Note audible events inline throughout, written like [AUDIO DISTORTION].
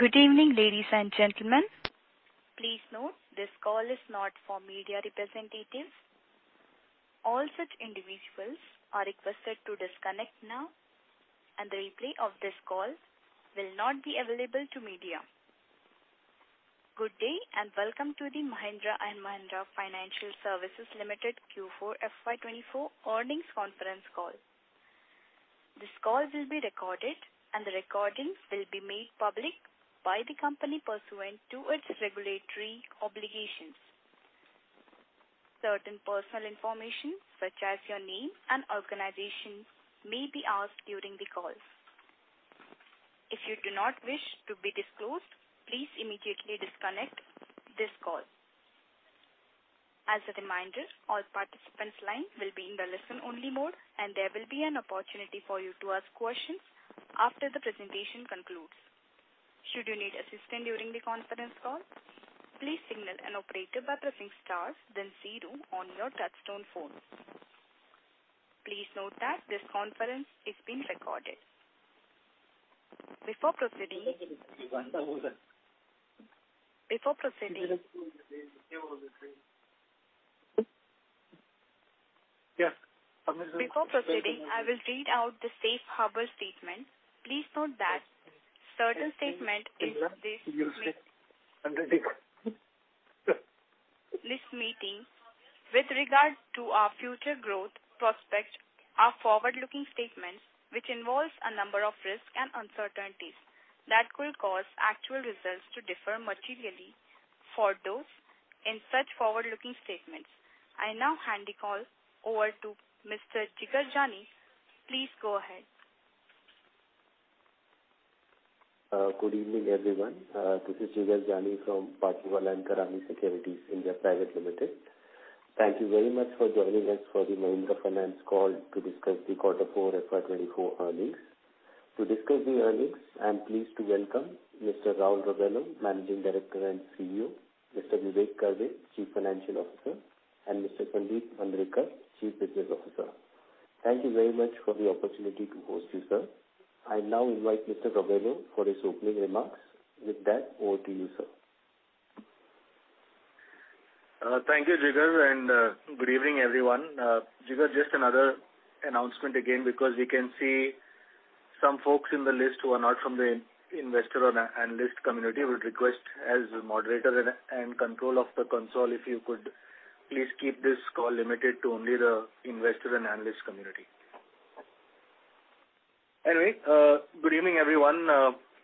Good evening, ladies and gentlemen. Please note this call is not for media representatives. All such individuals are requested to disconnect now, and the replay of this call will not be available to media. Good day and welcome to the Mahindra & Mahindra Financial Services Limited Q4 FY 2024 earnings conference call. This call will be recorded, and the recordings will be made public by the company pursuant to its regulatory obligations. Certain personal information, such as your name and organization, may be asked during the call. If you do not wish to be disclosed, please immediately disconnect this call. As a reminder, all participants' lines will be in the listen-only mode, and there will be an opportunity for you to ask questions after the presentation concludes. Should you need assistance during the conference call, please signal an operator by pressing star, then zero on your touch-tone phone. Please note that this conference is being recorded. Before proceeding. Before proceeding, I will read out the Safe Harbor Statement. Please note that certain statements in this meeting. [AUDIO DISTORTION] Thist meetings. With regard to our future growth prospects, our forward-looking statements involve a number of risks and uncertainties that could cause actual results to differ materially from those in such forward-looking statements. I now hand the call over to Mr. Jigar Jani. Please go ahead. Good evening, everyone. This is Jigar Jani from Batlivala & Karani Securities India Private Limited. Thank you very much for joining us for the Mahindra Finance call to discuss the Q4 FY 2024 earnings. To discuss the earnings, I'm pleased to welcome Mr. Raul Rebello, Managing Director and CEO. Mr. Vivek Karve, Chief Financial Officer. And Mr. Sandeep Mandrekar, Chief Business Officer. Thank you very much for the opportunity to host you, sir. I now invite Mr. Rebello for his opening remarks. With that, over to you, sir. Thank you, Jigar, and good evening, everyone. Jigar, just another announcement again because we can see some folks in the list who are not from the investor and analyst community. I would request, as moderator and control of the console, if you could please keep this call limited to only the investor and analyst community. Anyway, good evening, everyone,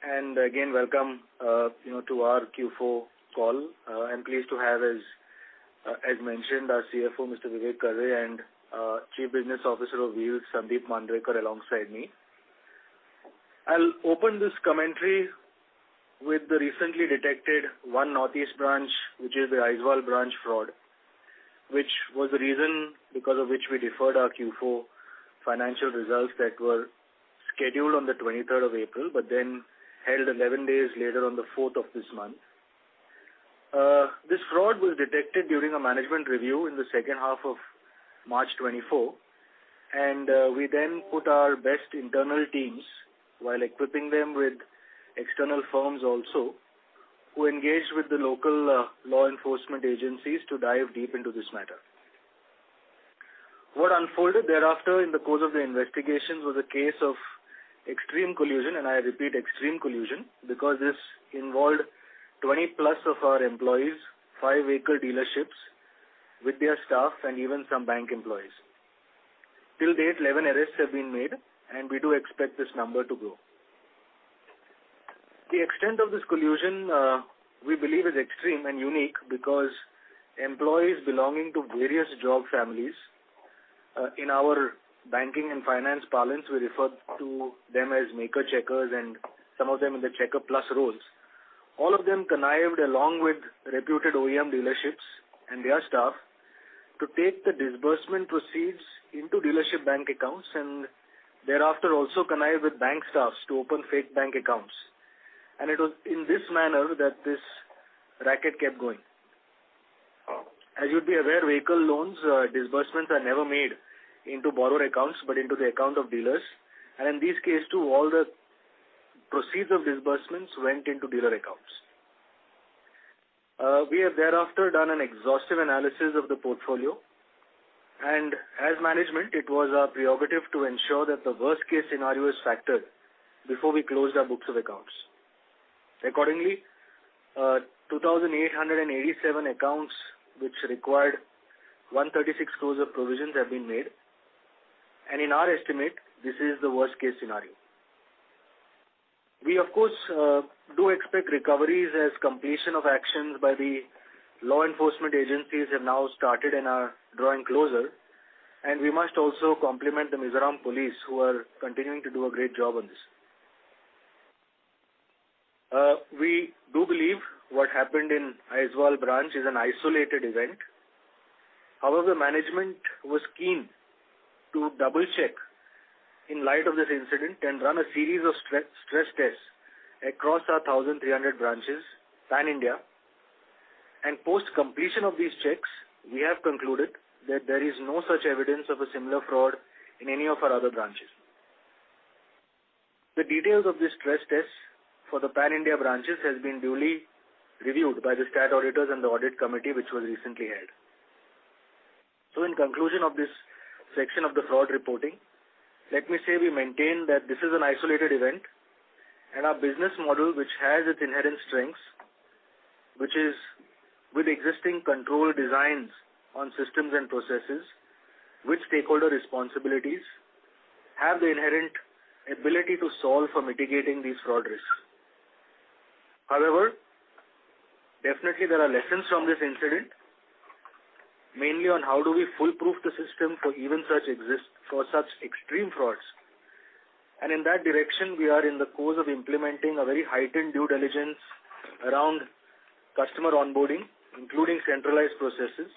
and again, welcome to our Q4 call. I'm pleased to have, as mentioned, our CFO, Mr. Vivek Karve, and Chief Business Officer Sandeep Mandrekar alongside me. I'll open this commentary with the recently detected fraud at one Northeast branch, which is the Aizawl branch, which was the reason because of which we deferred our Q4 financial results that were scheduled on the April 23rd but then held 11 days later on the fourth of this month. This fraud was detected during a management review in the second half of March 2024, and we then put our best internal teams while equipping them with external firms also who engaged with the local law enforcement agencies to dive deep into this matter. What unfolded thereafter in the course of the investigations was a case of extreme collusion, and I repeat, extreme collusion, because this involved 20+ of our employees, five-vehicle dealerships with their staff, and even some bank employees. Till date, 11 arrests have been made, and we do expect this number to grow. The extent of this collusion, we believe, is extreme and unique because employees belonging to various job families in our banking and finance parlance, we refer to them as Maker-Checkers and some of them in the Checker-Plus roles, all of them connived along with reputed OEM dealerships and their staff to take the disbursement proceeds into dealership bank accounts and thereafter also connive with bank staffs to open fake bank accounts. It was in this manner that this racket kept going. As you'd be aware, vehicle loans disbursements are never made into borrower accounts but into the account of dealers. In this case, too, all the proceeds of disbursements went into dealer accounts. We have thereafter done an exhaustive analysis of the portfolio, and as management, it was our prerogative to ensure that the worst-case scenario is factored before we closed our books of accounts. Accordingly, 2,887 accounts which required 136 crore of provisions have been made, and in our estimate, this is the worst-case scenario. We, of course, do expect recoveries as completion of actions by the law enforcement agencies have now started in our drawing closer, and we must also compliment the Mizoram Police who are continuing to do a great job on this. We do believe what happened in Aizawl branch is an isolated event. However, management was keen to double-check in light of this incident and run a series of stress tests across our 1,300 branches pan-India. Post-completion of these checks, we have concluded that there is no such evidence of a similar fraud in any of our other branches. The details of this stress test for the pan-India branches have been duly reviewed by the statutory auditors and the audit committee which was recently held. In conclusion of this section of the fraud reporting, let me say we maintain that this is an isolated event, and our business model, which has its inherent strengths, which is with existing control designs on systems and processes, with stakeholder responsibilities, have the inherent ability to solve for mitigating these fraud risks. However, definitely, there are lessons from this incident, mainly on how do we foolproof the system for even such extreme frauds. In that direction, we are in the course of implementing a very heightened due diligence around customer onboarding, including centralized processes.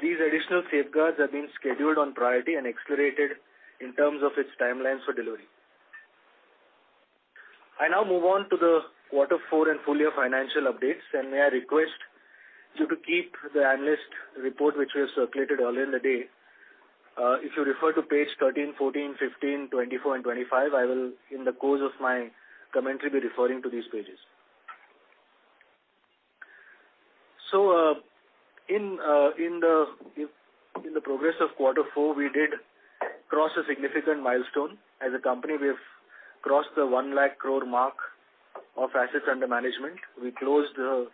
These additional safeguards have been scheduled on priority and accelerated in terms of its timelines for delivery. I now move on to the Q4 and full-year financial updates, and may I request you to keep the analyst report which we have circulated earlier in the day. If you refer to page 13, 14, 15, 24, and 25, I will, in the course of my commentary, be referring to these pages. So in the progress of Q4, we did cross a significant milestone. As a company, we have crossed the 100,000 crore mark of assets under management. We closed the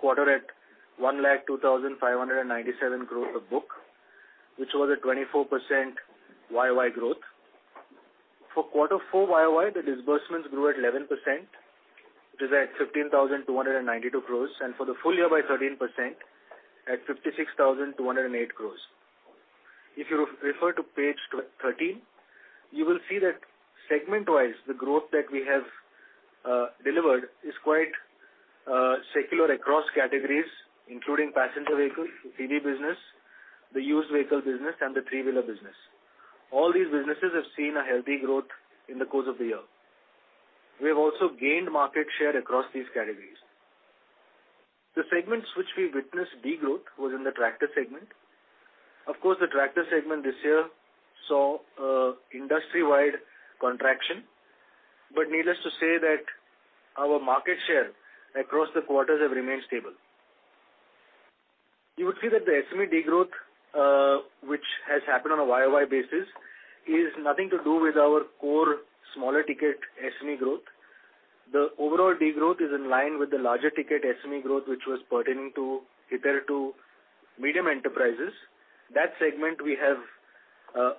quarter at 102,597 crore of book, which was a 24% YoY growth. For Q4 YoY, the disbursements grew at 11%, which is at 15,292 crore, and for the full year by 13% at 56,208 crore. If you refer to page 13, you will see that segment-wise, the growth that we have delivered is quite secular across categories, including passenger vehicles, EV business, the used vehicle business, and the three-wheeler business. All these businesses have seen a healthy growth in the course of the year. We have also gained market share across these categories. The segments which we witnessed degrowth was in the tractor segment. Of course, the tractor segment this year saw an industry-wide contraction, but needless to say that our market share across the quarters has remained stable. You would see that the SME degrowth, which has happened on a YoY basis, is nothing to do with our core smaller-ticket SME growth. The overall degrowth is in line with the larger-ticket SME growth which was pertaining to hitherto medium enterprises. That segment, we have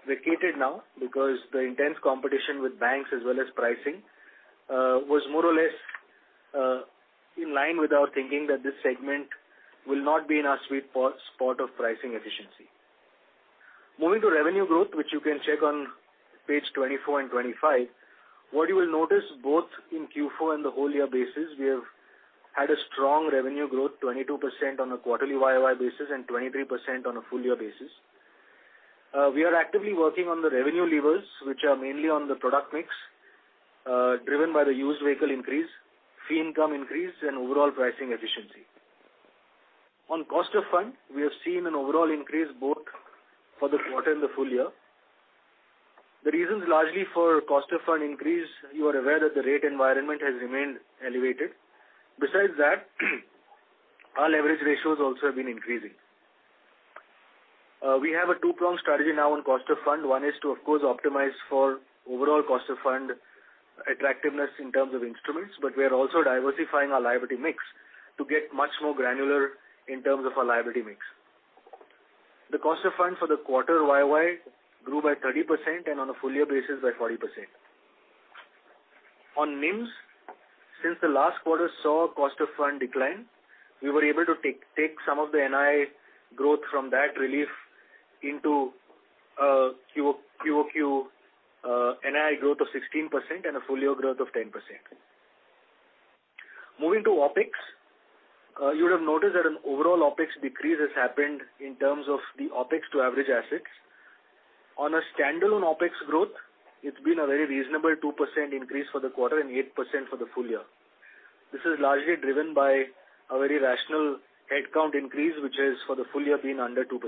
vacated now because the intense competition with banks as well as pricing was more or less in line with our thinking that this segment will not be in our sweet spot of pricing efficiency. Moving to revenue growth, which you can check on page 24 and 25, what you will notice both in Q4 and the whole-year basis, we have had a strong revenue growth, 22% on a quarterly YoY basis and 23% on a full-year basis. We are actively working on the revenue levers, which are mainly on the product mix, driven by the used vehicle increase, fee income increase, and overall pricing efficiency. On cost of funds, we have seen an overall increase both for the quarter and the full year. The reasons largely for cost of funds increase, you are aware that the rate environment has remained elevated. Besides that, our leverage ratios also have been increasing. We have a two-pronged strategy now on cost of funds. One is to, of course, optimize for overall cost of funds attractiveness in terms of instruments, but we are also diversifying our liability mix to get much more granular in terms of our liability mix. The cost of funds for the quarter YoY grew by 30% and on a full-year basis by 40%. On NIMs, since the last quarter saw cost of funds decline, we were able to take some of the NII growth from that relief into QoQ NII growth of 16% and a full-year growth of 10%. Moving to OpEx, you would have noticed that an overall OpEx decrease has happened in terms of the OpEx-to-average assets. On a standalone OpEx growth, it's been a very reasonable 2% increase for the quarter and 8% for the full year. This is largely driven by a very rational headcount increase, which has for the full year been under 2%.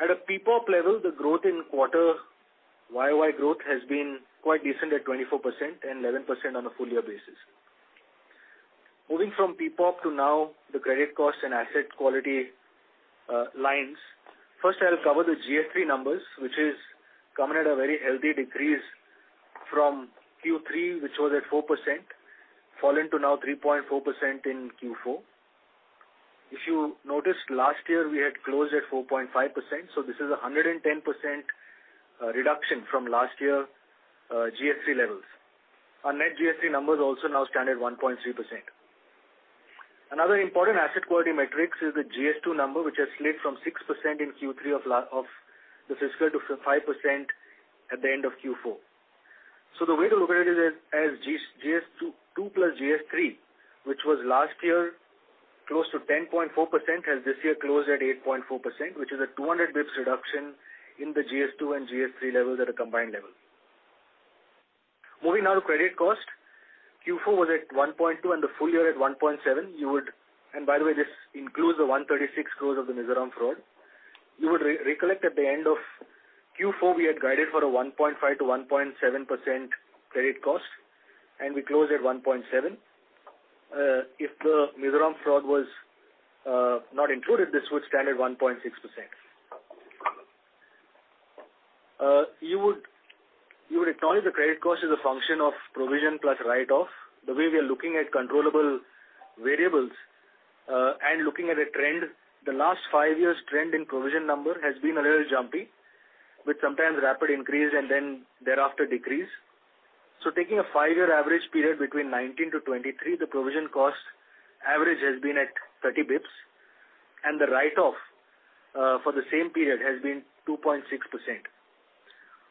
At a PPOP level, the growth in quarter YoY growth has been quite decent at 24% and 11% on a full-year basis. Moving from PPOP to now the credit cost and asset quality lines, first, I'll cover the GS3 numbers, which have come in at a very healthy decrease from Q3, which was at 4%, fallen to now 3.4% in Q4. If you noticed, last year, we had closed at 4.5%, so this is a 110% reduction from last year's GS3 levels. Our net GS3 numbers also now stand at 1.3%. Another important asset quality metric is the GS2 number, which has slipped from 6% in Q3 of the fiscal to 5% at the end of Q4. So the way to look at it is as GS2 plus GS3, which was last year close to 10.4%, has this year closed at 8.4%, which is a 200 basis points reduction in the GS2 and GS3 levels at a combined level. Moving now to credit cost, Q4 was at 1.2 and the full year at 1.7. And by the way, this includes the 136 crore of the Mizoram fraud. You would recollect at the end of Q4, we had guided for a 1.5%-1.7% credit cost, and we closed at 1.7%. If the Mizoram fraud was not included, this would stand at 1.6%. You would acknowledge the credit cost is a function of provision plus write-off. The way we are looking at controllable variables and looking at a trend, the last five years' trend in provision number has been a little jumpy with sometimes rapid increase and then thereafter decrease. Taking a five-year average period between 2019-2023, the provision cost average has been at 30 basis points, and the write-off for the same period has been 2.6%.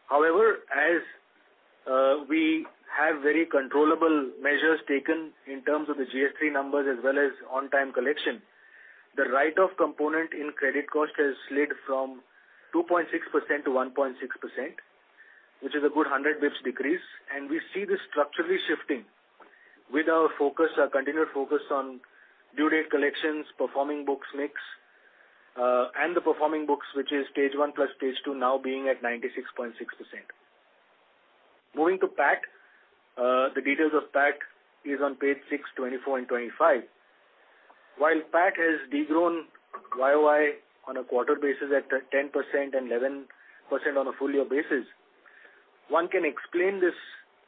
However, as we have very controllable measures taken in terms of the GS3 numbers as well as on-time collection, the write-off component in credit cost has slid from 2.6% to 1.6%, which is a good 100 basis points decrease. And we see this structurally shifting with our continued focus on due date collections, performing books mix, and the performing books, which is Stage 1 plus Stage 2, now being at 96.6%. Moving to PAT, the details of PAT are on page 6, 24, and 25. While PAT has degrown YoY on a quarter basis at 10% and 11% on a full-year basis, one can explain this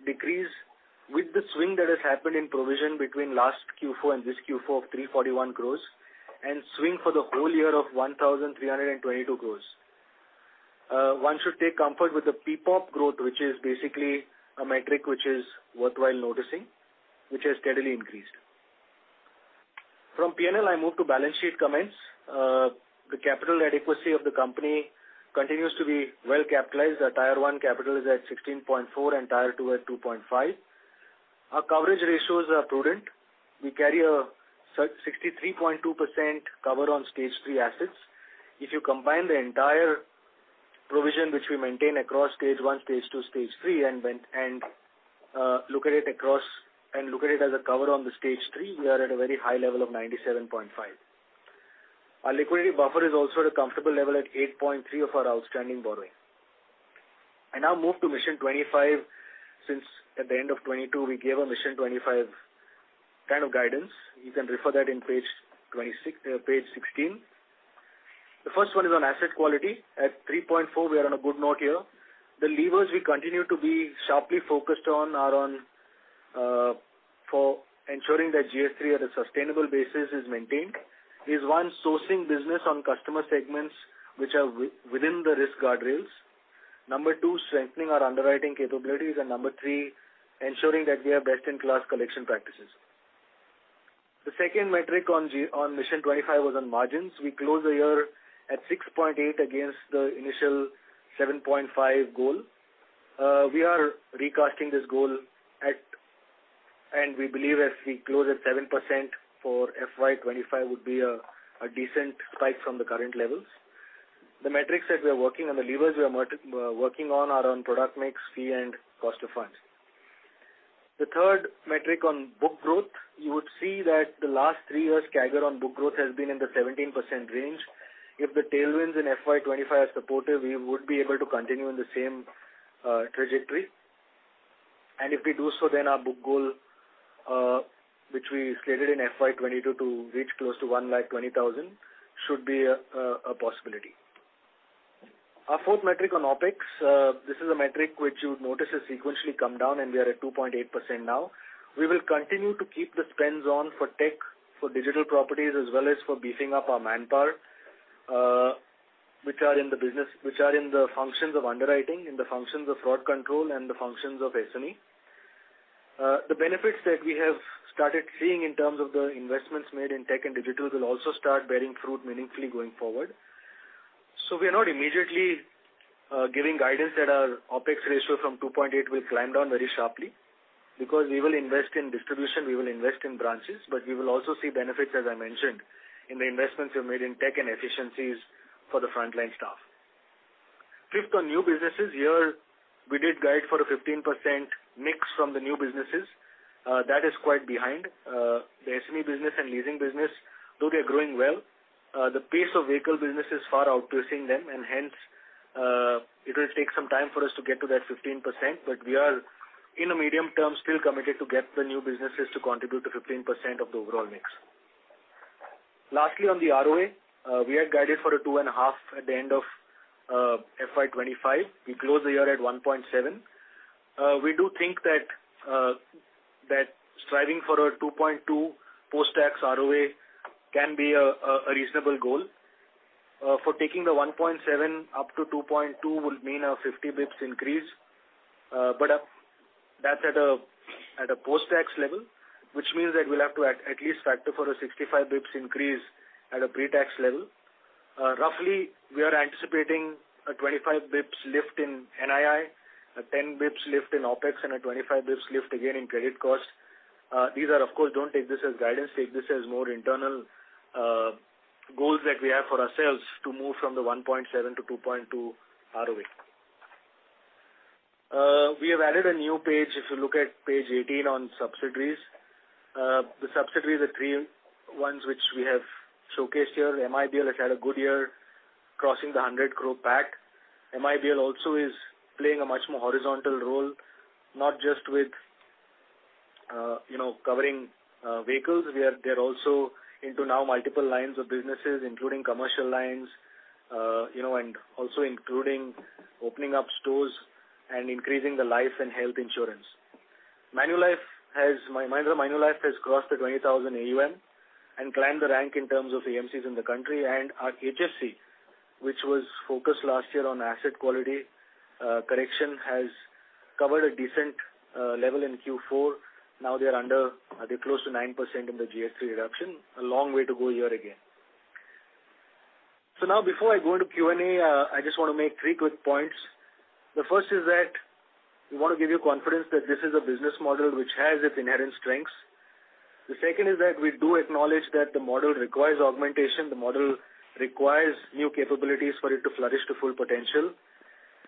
decrease with the swing that has happened in provision between last Q4 and this Q4 of 341 crore and swing for the whole year of 1,322 crore. One should take comfort with the PPOP growth, which is basically a metric which is worthwhile noticing, which has steadily increased. From P&L, I move to balance sheet comments. The capital adequacy of the company continues to be well capitalized. Our Tier 1 capital is at 16.4 and Tier 2 at 2.5. Our coverage ratios are prudent. We carry a 63.2% cover on Stage 3 assets. If you combine the entire provision which we maintain across Stage 1, Stage 2, Stage 3, and look at it across and look at it as a cover on the Stage 3, we are at a very high level of 97.5%. Our liquidity buffer is also at a comfortable level at 8.3% of our outstanding borrowing. I now move to Mission 25. Since at the end of 2022, we gave a Mission 25 kind of guidance. You can refer that in page 16. The first one is on asset quality. At 3.4%, we are on a good note here. The levers we continue to be sharply focused on are on ensuring that GS3 at a sustainable basis is maintained. It is, one, sourcing business on customer segments which are within the risk guardrails. Number two, strengthening our underwriting capabilities. And number three, ensuring that we have best-in-class collection practices. The second metric on Mission 25 was on margins. We closed the year at 6.8% against the initial 7.5% goal. We are recasting this goal at. And we believe if we close at 7% for FY 2025 would be a decent spike from the current levels. The metrics that we are working on, the levers we are working on, are on product mix, fee, and cost of funds. The third metric on book growth, you would see that the last three years' CAGR on book growth has been in the 17% range. If the tailwinds in FY 2025 are supportive, we would be able to continue in the same trajectory. And if we do so, then our book goal, which we slated in FY 2022 to reach close to 120,000 crore, should be a possibility. Our fourth metric on OpEx, this is a metric which you would notice has sequentially come down, and we are at 2.8% now. We will continue to keep the spends on for tech, for digital properties, as well as for beefing up our manpower, which are in the business which are in the functions of underwriting, in the functions of fraud control, and the functions of SME. The benefits that we have started seeing in terms of the investments made in tech and digital will also start bearing fruit meaningfully going forward. So we are not immediately giving guidance that our OpEx ratio from 2.8 will climb down very sharply because we will invest in distribution. We will invest in branches. But we will also see benefits, as I mentioned, in the investments we have made in tech and efficiencies for the frontline staff. Fifth, on new businesses, here, we did guide for a 15% mix from the new businesses. That is quite behind. The SME business and leasing business, though they are growing well, the pace of vehicle business is far outpacing them. And hence, it will take some time for us to get to that 15%. But we are, in the medium term, still committed to get the new businesses to contribute to 15% of the overall mix. Lastly, on the ROA, we had guided for a 2.5 at the end of FY 2025. We closed the year at 1.7. We do think that striving for a 2.2 post-tax ROA can be a reasonable goal. For taking the 1.7 up to 2.2 would mean a 50-bips increase. But that's at a post-tax level, which means that we'll have to at least factor for a 65-bips increase at a pre-tax level. Roughly, we are anticipating a 25 basis points lift in NII, a 10 basis points lift in OpEx, and a 25 basis points lift again in credit cost. These are, of course. Don't take this as guidance. Take this as more internal goals that we have for ourselves to move from the 1.7%-2.2% ROA. We have added a new page, if you look at page 18, on subsidiaries. The subsidiaries are three ones which we have showcased here. MIBL has had a good year crossing the 100 crore PAT. MIBL also is playing a much more horizontal role, not just with covering vehicles. They're also into now multiple lines of businesses, including commercial lines and also including opening up stores and increasing the life and health insurance. Manulife in my mind that Manulife has crossed the 20,000 crore AUM and climbed the rank in terms of AMCs in the country. Our HFC, which was focused last year on asset quality correction, has covered a decent level in Q4. Now, they're close to 9% in the GS3 reduction. A long way to go here again. So now, before I go into Q&A, I just want to make three quick points. The first is that we want to give you confidence that this is a business model which has its inherent strengths. The second is that we do acknowledge that the model requires augmentation. The model requires new capabilities for it to flourish to full potential.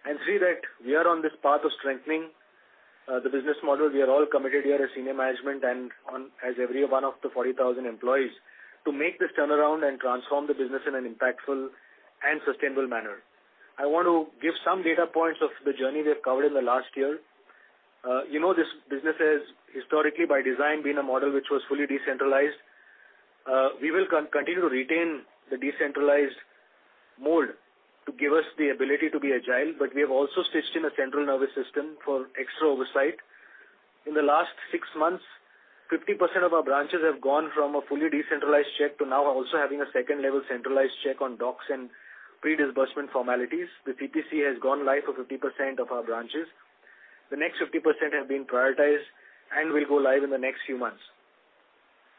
And three, that we are on this path of strengthening the business model. We are all committed here as senior management and as every one of the 40,000 employees to make this turnaround and transform the business in an impactful and sustainable manner. I want to give some data points of the journey we have covered in the last year. This business has historically, by design, been a model which was fully decentralized. We will continue to retain the decentralized model to give us the ability to be agile. But we have also stitched in a central nervous system for extra oversight. In the last six months, 50% of our branches have gone from a fully decentralized check to now also having a second-level centralized check on docs and pre-disbursement formalities. The CPC has gone live for 50% of our branches. The next 50% have been prioritized and will go live in the next few months.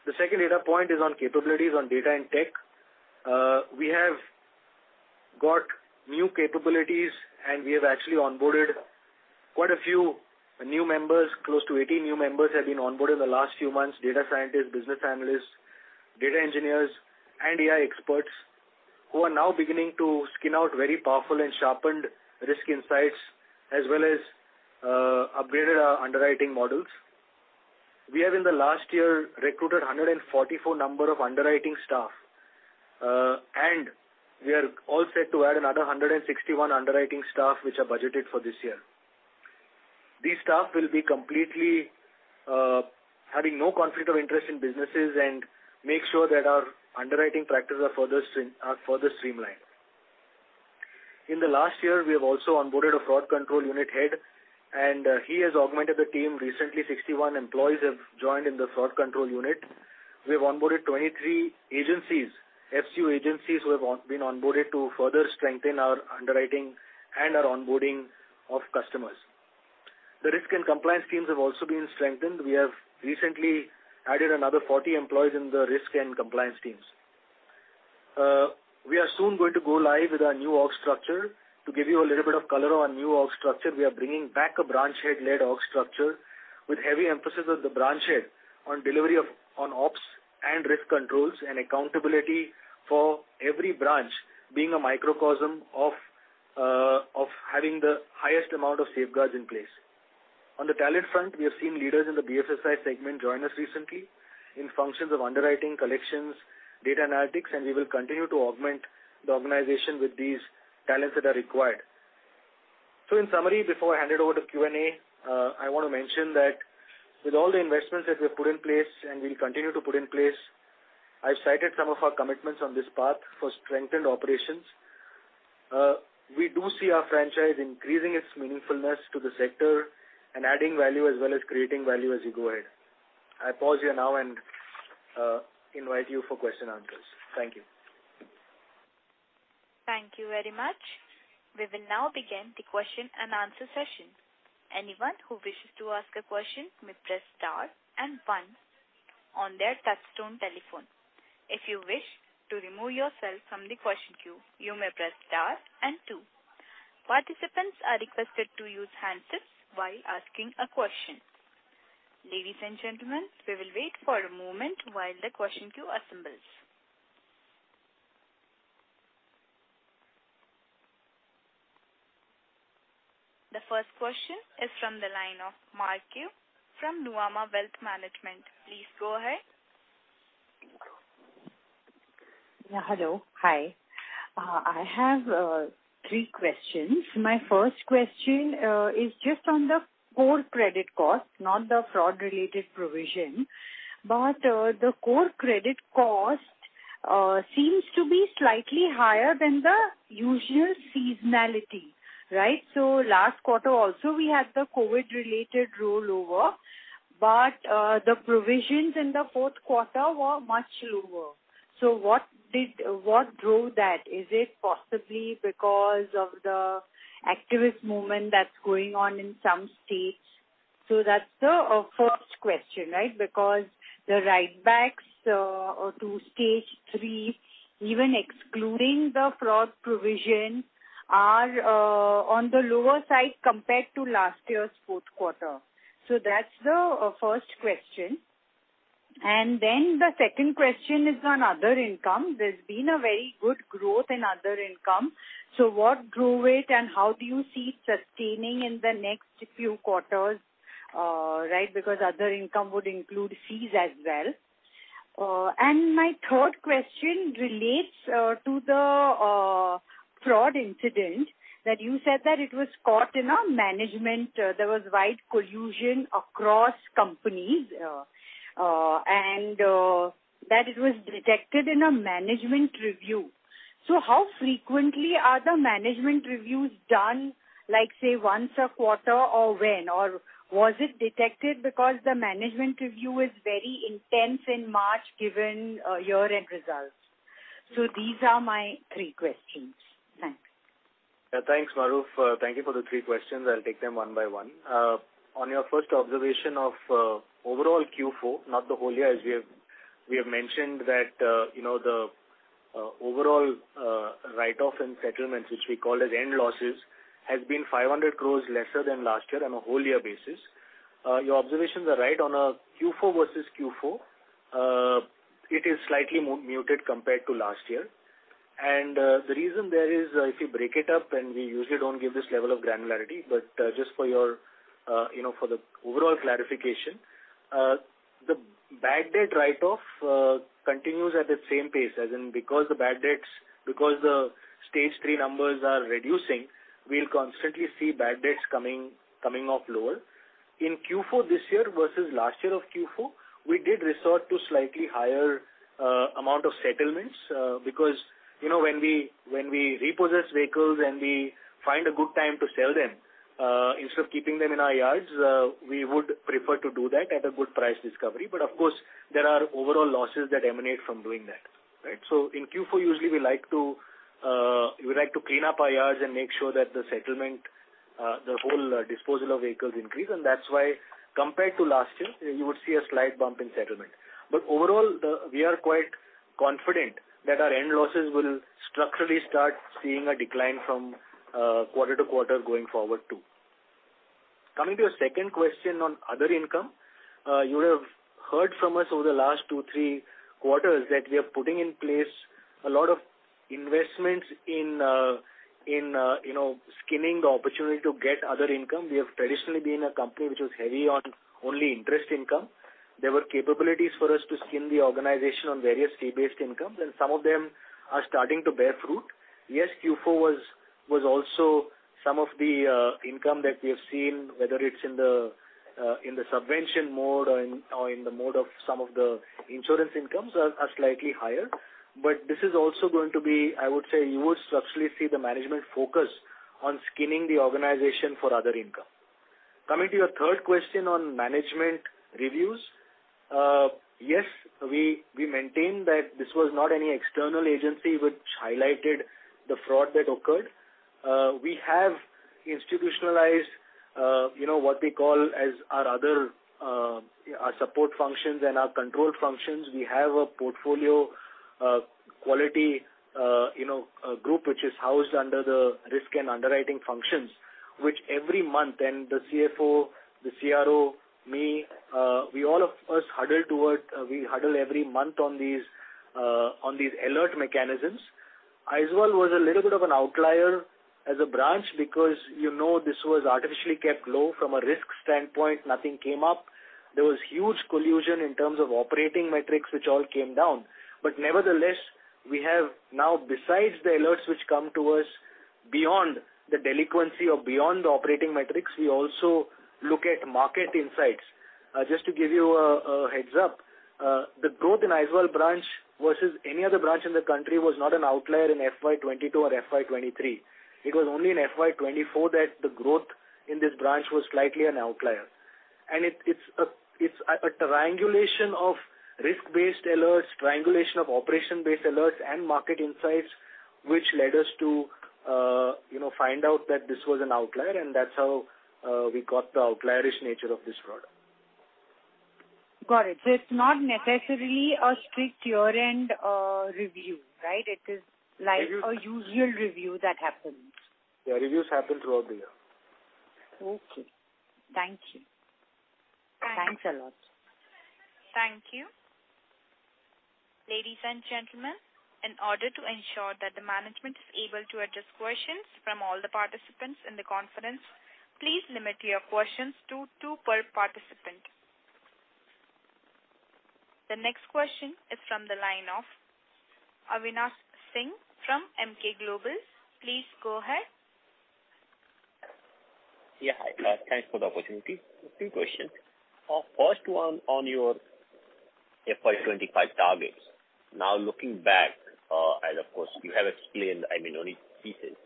The second data point is on capabilities on data and tech. We have got new capabilities, and we have actually onboarded quite a few new members. Close to 18 new members have been onboarded in the last few months: data scientists, business analysts, data engineers, and AI experts who are now beginning to spin out very powerful and sharpened risk insights as well as upgraded our underwriting models. We have, in the last year, recruited 144 underwriting staff. We are all set to add another 161 underwriting staff, which are budgeted for this year. These staff will be completely having no conflict of interest in businesses and make sure that our underwriting practices are further streamlined. In the last year, we have also onboarded a fraud control unit head. He has augmented the team recently. 61 employees have joined in the fraud control unit. We have onboarded 23 agencies, FCU agencies, who have been onboarded to further strengthen our underwriting and our onboarding of customers. The risk and compliance teams have also been strengthened. We have recently added another 40 employees in the risk and compliance teams. We are soon going to go live with our new org structure to give you a little bit of color on our new org structure. We are bringing back a branch-head-led org structure with heavy emphasis on the branch head on delivery of ops and risk controls and accountability for every branch being a microcosm of having the highest amount of safeguards in place. On the talent front, we have seen leaders in the BFSI segment join us recently in functions of underwriting, collections, data analytics. We will continue to augment the organization with these talents that are required. In summary, before I hand it over to Q&A, I want to mention that with all the investments that we have put in place and will continue to put in place, I've cited some of our commitments on this path for strengthened operations. We do see our franchise increasing its meaningfulness to the sector and adding value as well as creating value as you go ahead. I pause here now and invite you for question and answers. Thank you. Thank you very much. We will now begin the question and answer session. Anyone who wishes to ask a question may press star and one on their touch-tone telephone. If you wish to remove yourself from the question queue, you may press star and two. Participants are requested to use the handset while asking a question. Ladies and gentlemen, we will wait for a moment while the question queue assembles. The first question is from the line of Mahrukh Adajania from Nuvama Wealth Management. Please go ahead. Yeah. Hello. Hi. I have three questions. My first question is just on the core credit cost, not the fraud-related provision. But the core credit cost seems to be slightly higher than the usual seasonality, right? So last quarter also, we had the COVID-related rollover. But the provisions in the fourth quarter were much lower. So what drove that? Is it possibly because of the activist movement that's going on in some states? So that's the first question, right? Because the writebacks to Stage 3, even excluding the fraud provision, are on the lower side compared to last year's fourth quarter. So that's the first question. And then the second question is on other income. There's been a very good growth in other income. So what drove it, and how do you see it sustaining in the next few quarters, right? Because other income would include fees as well. My third question relates to the fraud incident that you said that it was caught in a management there was wide collusion across companies and that it was detected in a management review. So how frequently are the management reviews done, say, once a quarter or when? Or was it detected because the management review is very intense in March given year-end results? So these are my three questions. Thank you. Yeah. Thanks, Mahrukh. Thank you for the three questions. I'll take them one by one. On your first observation of overall Q4, not the whole year, as we have mentioned, that the overall write-off and settlements, which we call as end losses, has been 500 crore lesser than last year on a whole-year basis. Your observations are right. On a Q4 versus Q4, it is slightly muted compared to last year. And the reason there is, if you break it up and we usually don't give this level of granularity, but just for the overall clarification, the bad debt write-off continues at the same pace. As in, because the Stage 3 numbers are reducing, we'll constantly see bad debts coming off lower. In Q4 this year versus last year of Q4, we did resort to slightly higher amount of settlements because when we repossess vehicles and we find a good time to sell them instead of keeping them in our yards, we would prefer to do that at a good price discovery. But of course, there are overall losses that emanate from doing that, right? So in Q4, usually, we like to we like to clean up our yards and make sure that the settlement the whole disposal of vehicles increase. And that's why, compared to last year, you would see a slight bump in settlement. But overall, we are quite confident that our end losses will structurally start seeing a decline from quarter to quarter going forward too. Coming to your second question on other income, you have heard from us over the last two, three quarters that we are putting in place a lot of investments in skinning the opportunity to get other income. We have traditionally been a company which was heavy on only interest income. There were capabilities for us to skin the organization on various state-based incomes. Some of them are starting to bear fruit. Yes, Q4 was also some of the income that we have seen, whether it's in the subvention mode or in the mode of some of the insurance incomes, are slightly higher. But this is also going to be I would say you would structurally see the management focus on skinning the organization for other income. Coming to your third question on management reviews, yes, we maintain that this was not any external agency which highlighted the fraud that occurred. We have institutionalized what we call as our other support functions and our control functions. We have a portfolio quality group which is housed under the risk and underwriting functions, which every month, and the CFO, the CRO, me we all of us huddle toward we huddle every month on these alert mechanisms. Aizawl was a little bit of an outlier as a branch because this was artificially kept low. From a risk standpoint, nothing came up. There was huge collusion in terms of operating metrics, which all came down. But nevertheless, we have now, besides the alerts which come to us beyond the delinquency or beyond the operating metrics, we also look at market insights. Just to give you a heads up, the growth in Aizawl branch versus any other branch in the country was not an outlier in FY 2022 or FY 2023. It was only in FY 2024 that the growth in this branch was slightly an outlier. And it's a triangulation of risk-based alerts, triangulation of operation-based alerts, and market insights which led us to find out that this was an outlier. And that's how we got the outlierish nature of this product. Got it. So it's not necessarily a strict year-end review, right? It is like a usual review that happens. Yeah. Reviews happen throughout the year. Okay. Thank you. Thanks a lot. Thank you. Ladies and gentlemen, in order to ensure that the management is able to address questions from all the participants in the conference, please limit your questions to two per participant. The next question is from the line of Avinash Singh from Emkay Global. Please go ahead. Yeah. Hi. Thanks for the opportunity. Two questions. First one, on your FY 2025 targets. Now, looking back, as of course you have explained, I mean, only pieces.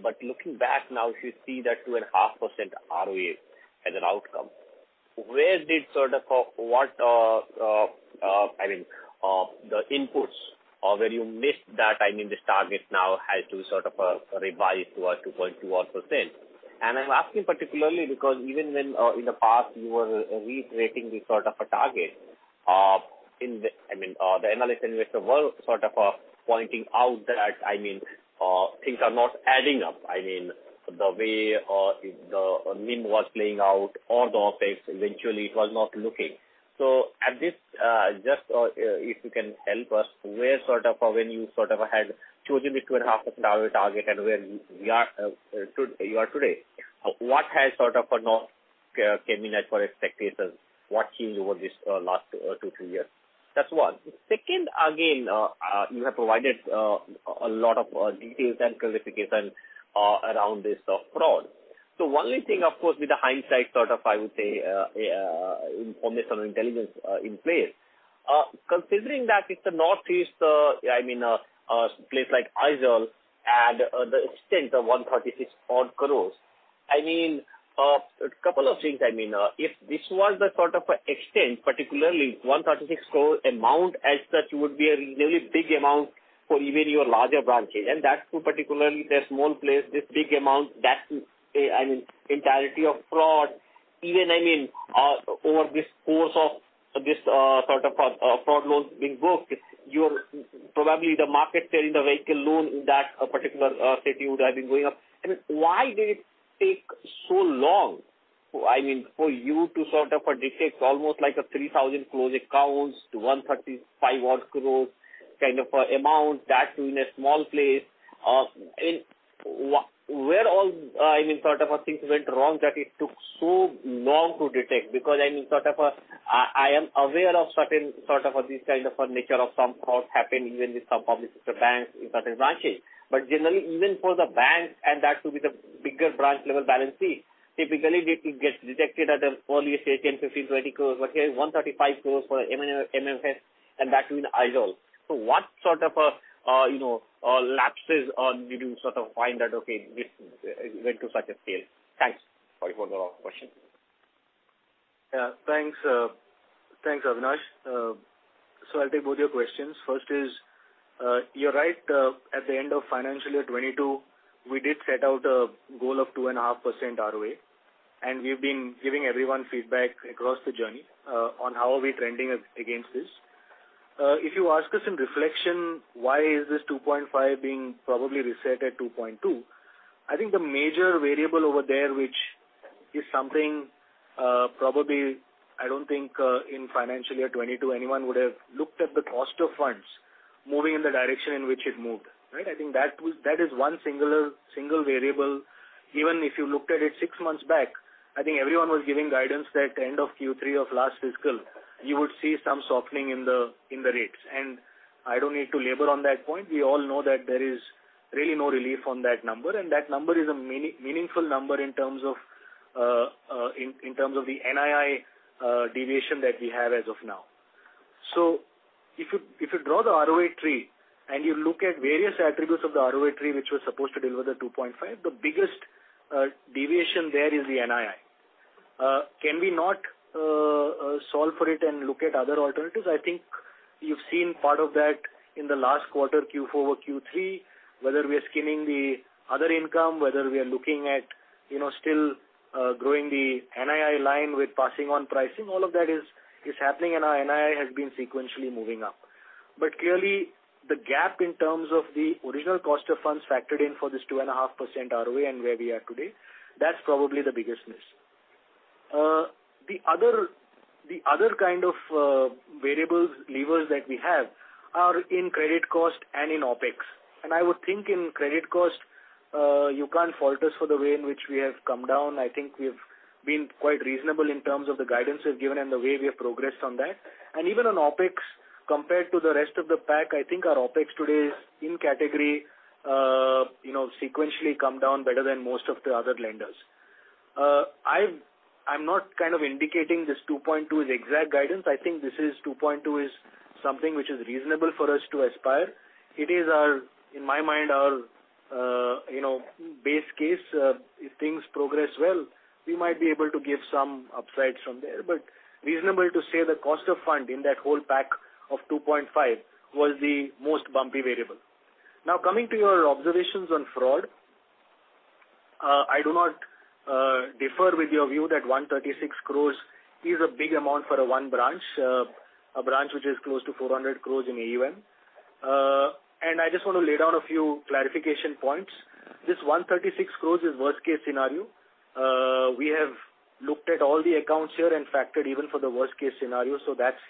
But looking back now, if you see that 2.5% ROA as an outcome, where did sort of what I mean, the inputs where you missed that, I mean, this target now has to be sort of revised to a 2.21%? And I'm asking particularly because even when in the past, you were reiterating this sort of a target, I mean, the analysts and investors were sort of pointing out that, I mean, things are not adding up. I mean, the way the NIM was playing out or the OpEx, eventually, it was not looking. So at this, just if you can help us, where sort of when you sort of had chosen the 2.5% ROA target and where you are today, what has sort of not come in as for expectations? What changed over these last two, three years? That's one. Second, again, you have provided a lot of details and clarification around this fraud. So one thing, of course, with the hindsight sort of, I would say, information or intelligence in place, considering that it's the Northeast, I mean, a place like Aizawl at the extent of 136 crores, I mean, a couple of things. I mean, if this was the sort of extent, particularly 136 crore amount as such, it would be a reasonably big amount for even your larger branches. And that's particularly the small place. This big amount, that's, I mean, entirety of fraud. Even, I mean, over this course of this sort of fraud loan being booked, you're probably the market share in the vehicle loan in that particular city would have been going up. And why did it take so long, I mean, for you to sort of detect almost like a 3,000-odd accounts to 135-odd crore kind of amount, that too in a small place? I mean, where all, I mean, sort of things went wrong that it took so long to detect? Because, I mean, sort of I am aware of certain sort of this kind of a nature of some fraud happen even with some public sector banks in certain branches But generally, even for the banks and that to be the bigger branch-level balance sheet, typically, it gets detected at the earliest 18 crore, 15 crore, 20 crore. But here, 135 crore for MMFS, and that too in Aizawl. So what sort of a lapses did you sort of find that, okay, this went to such a scale? Thanks for your follow-up question. Yeah. Thanks, Avinash. So I'll take both your questions. First is, you're right. At the end of financial year 2022, we did set out a goal of 2.5% ROA. And we've been giving everyone feedback across the journey on how are we trending against this. If you ask us in reflection, why is this 2.5 being probably reset at 2.2? I think the major variable over there, which is something probably I don't think in financial year 2022, anyone would have looked at the cost of funds moving in the direction in which it moved, right? I think that is one singular variable. Even if you looked at it six months back, I think everyone was giving guidance that end of Q3 of last fiscal, you would see some softening in the rates. And I don't need to labor on that point. We all know that there is really no relief on that number. And that number is a meaningful number in terms of the NII deviation that we have as of now. So if you draw the ROA tree and you look at various attributes of the ROA tree which was supposed to deliver the 2.5%, the biggest deviation there is the NII. Can we not solve for it and look at other alternatives? I think you've seen part of that in the last quarter, Q4 or Q3, whether we are skinning the other income, whether we are looking at still growing the NII line with passing on pricing, all of that is happening. And our NII has been sequentially moving up. But clearly, the gap in terms of the original cost of funds factored in for this 2.5% ROA and where we are today, that's probably the biggest miss. The other kind of variables, levers that we have are in credit cost and in OpEx. I would think in credit cost, you can't fault us for the way in which we have come down. I think we have been quite reasonable in terms of the guidance we've given and the way we have progressed on that. Even on OpEx, compared to the rest of the pack, I think our OpEx today is in category, sequentially come down better than most of the other lenders. I'm not kind of indicating this 2.2 is exact guidance. I think this is 2.2 is something which is reasonable for us to aspire. It is, in my mind, our base case. If things progress well, we might be able to give some upsides from there. But reasonable to say the cost of fund in that whole pack of 2.5 was the most bumpy variable. Now, coming to your observations on fraud, I do not differ with your view that 136 crore is a big amount for a one branch, a branch which is close to 400 crore in AUM. And I just want to lay down a few clarification points. This 136 crore is worst-case scenario. We have looked at all the accounts here and factored even for the worst-case scenario. So that's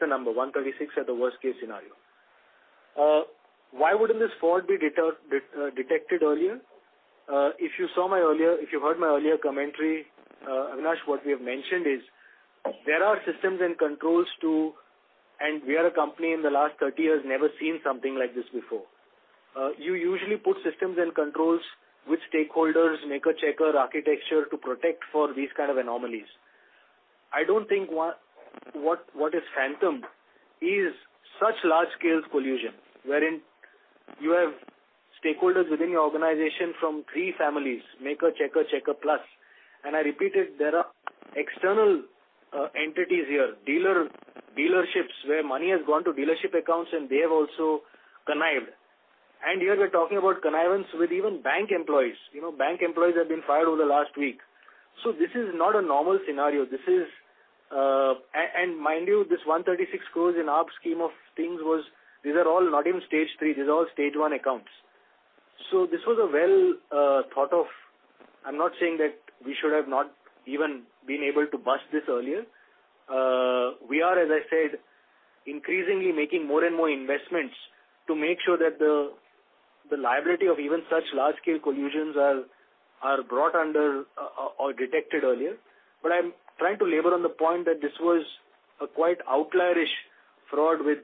the number, 136 crore at the worst-case scenario. Why wouldn't this fraud be detected earlier? If you heard my earlier commentary, Avinash, what we have mentioned is there are systems and controls, and we are a company in the last 30 years never seen something like this before. You usually put systems and controls with stakeholders, Maker-Checker architecture to protect for these kind of anomalies. I don't think what happened is such large-scale collusion wherein you have stakeholders within your organization from three families, Maker-Checker, Checker-Plus. And I repeated, there are external entities here, dealerships where money has gone to dealership accounts, and they have also connived. And here, we're talking about connivance with even bank employees. Bank employees have been fired over the last week. So this is not a normal scenario. This is, and mind you, this 136 crore in our scheme of things was. These are all not even Stage 3. These are all Stage 1 accounts. So this was a well-thought-of. I'm not saying that we should have not even been able to bust this earlier. We are, as I said, increasingly making more and more investments to make sure that the liability of even such large-scale collusions are brought under or detected earlier. But I'm trying to labor on the point that this was a quite outlierish fraud with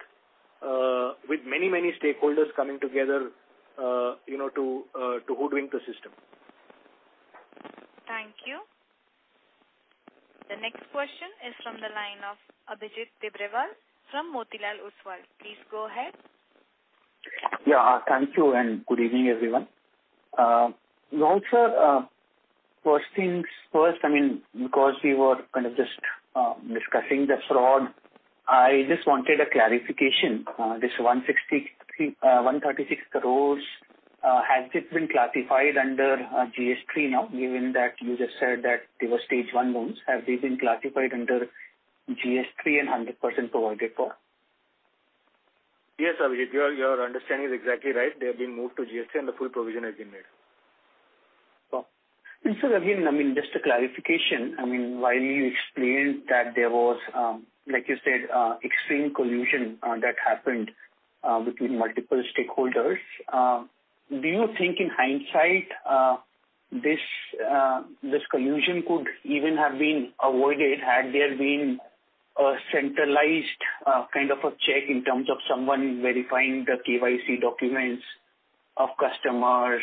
many, many stakeholders coming together to hoodwink the system. Thank you. The next question is from the line of Abhijit Tibrewal from Motilal Oswal. Please go ahead. Yeah. Thank you. And good evening, everyone. Raul sir, first things first, I mean, because we were kind of just discussing the fraud, I just wanted a clarification. This 136 crore, has it been classified under GS3 now, given that you just said that they were Stage 1 loans? Have they been classified under GS3 and 100% provided for? Yes, Abhijit. Your understanding is exactly right. They have been moved to GS3, and the full provision has been made. So again, I mean, just a clarification. I mean, while you explained that there was, like you said, extreme collusion that happened between multiple stakeholders, do you think in hindsight, this collusion could even have been avoided had there been a centralized kind of a check in terms of someone verifying the KYC documents of customers,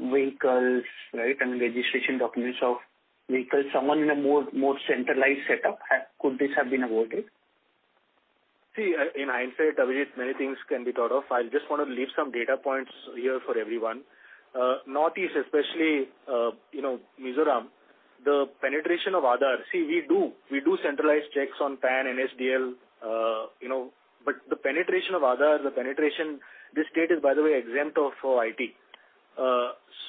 vehicles, right? I mean, registration documents of vehicles. Someone in a more centralized setup, could this have been avoided? See, in hindsight, Abhijit, many things can be thought of. I just want to leave some data points here for everyone. Northeast, especially Mizoram, the penetration of Aadhaar see, we do. We do centralized checks on PAN, NSDL. But the penetration of Aadhaar, the penetration this state is, by the way, exempt of IT.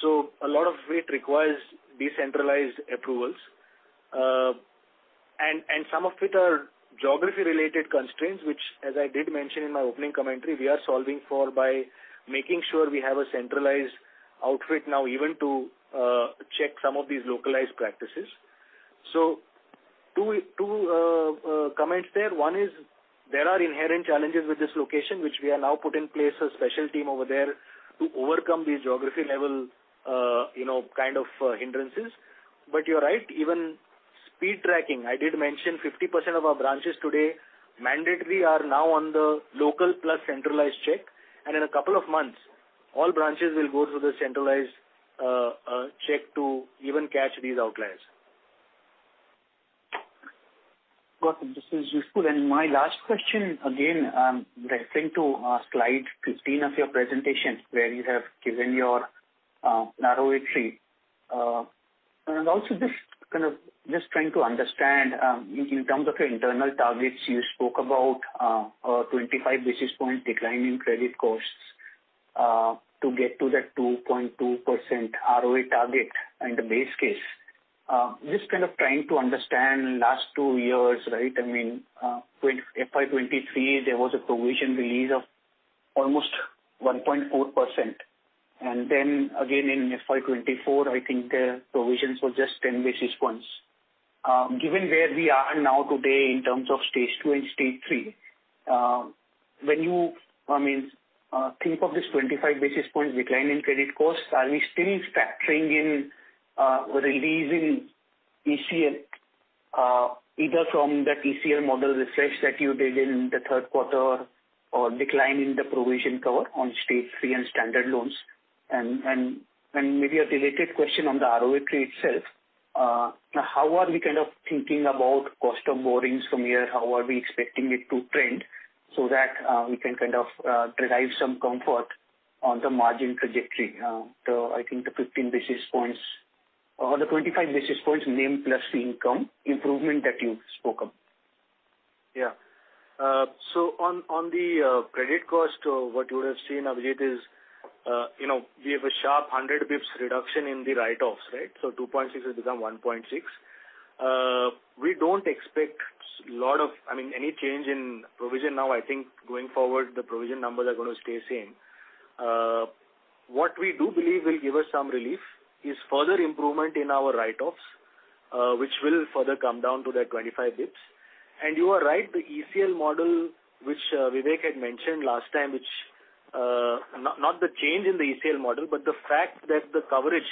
So a lot of it requires decentralized approvals. And some of it are geography-related constraints, which, as I did mention in my opening commentary, we are solving for by making sure we have a centralized outfit now even to check some of these localized practices. So two comments there. One is there are inherent challenges with this location, which we are now putting in place a special team over there to overcome these geography-level kind of hindrances. But you're right. Even speed tracking, I did mention 50% of our branches today mandatory are now on the local plus centralized check. In a couple of months, all branches will go through the centralized check to even catch these outliers. Got it. This is useful. My last question, again, referring to slide 15 of your presentation where you have given your ROA tree. Also just kind of just trying to understand, in terms of your internal targets, you spoke about 25 basis points declining credit costs to get to that 2.2% ROA target in the base case. Just kind of trying to understand last two years, right? I mean, with FY 2023, there was a provision release of almost 1.4%. Then, in FY 2024, I think the provisions were just 10 basis points. Given where we are now today in terms of Stage 2 and Stage 3, when you, I mean, think of this 25 basis points decline in credit costs, are we still factoring in releasing ECL either from that ECL model refresh that you did in the third quarter or decline in the provision cover on Stage 3 and Stage 1 loans? And maybe a related question on the ROA tree itself, how are we kind of thinking about cost of borrowings from here? How are we expecting it to trend so that we can kind of derive some comfort on the margin trajectory? So I think the 15 basis points or the 25 basis points NIM plus the income improvement that you spoke of. Yeah. So on the credit cost, what you would have seen, Abhijit, is we have a sharp 100 basis points reduction in the write-offs, right? So 2.6 has become 1.6. We don't expect a lot of I mean, any change in provision now. I think going forward, the provision numbers are going to stay same. What we do believe will give us some relief is further improvement in our write-offs, which will further come down to that 25 basis points. And you are right. The ECL model, which Vivek had mentioned last time, which not the change in the ECL model, but the fact that the coverage,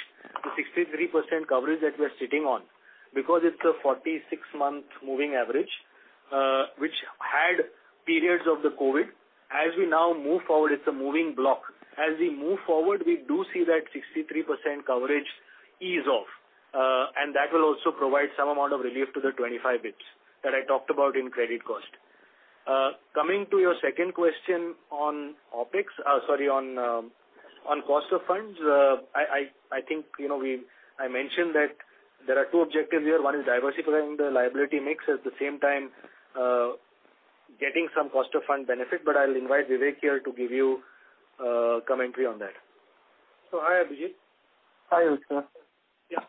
the 63% coverage that we are sitting on because it's a 46-month moving average, which had periods of the COVID, as we now move forward, it's a moving block. As we move forward, we do see that 63% coverage ease off. That will also provide some amount of relief to the 25 bps that I talked about in credit cost. Coming to your second question on OpEx—sorry, on cost of funds—I think I mentioned that there are two objectives here. One is diversifying the liability mix at the same time getting some cost of fund benefit. But I'll invite Vivek here to give you commentary on that. So hi, Abhijit. Hi, sir. Yeah.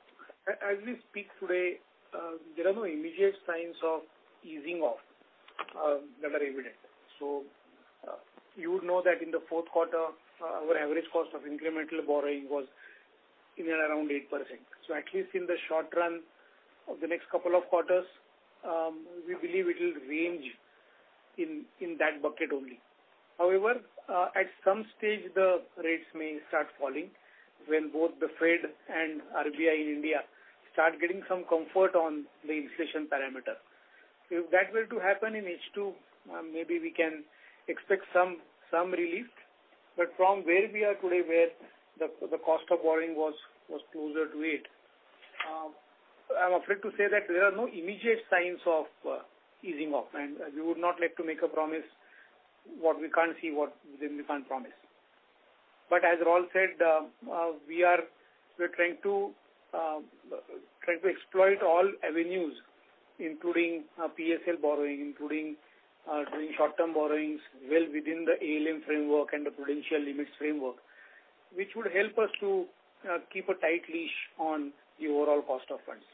As we speak today, there are no immediate signs of easing off that are evident. So you would know that in the fourth quarter, our average cost of incremental borrowing was in and around 8%. So at least in the short run of the next couple of quarters, we believe it will range in that bucket only. However, at some stage, the rates may start falling when both the Fed and RBI in India start getting some comfort on the inflation parameter. If that were to happen in H2, maybe we can expect some relief. But from where we are today, where the cost of borrowing was closer to eight, I'm afraid to say that there are no immediate signs of easing off. And we would not like to make a promise what we can't see, then we can't promise. But as Raul said, we are trying to exploit all avenues, including PSL borrowing, including doing short-term borrowings well within the ALM framework and the Prudential Limits framework, which would help us to keep a tight leash on the overall cost of funds.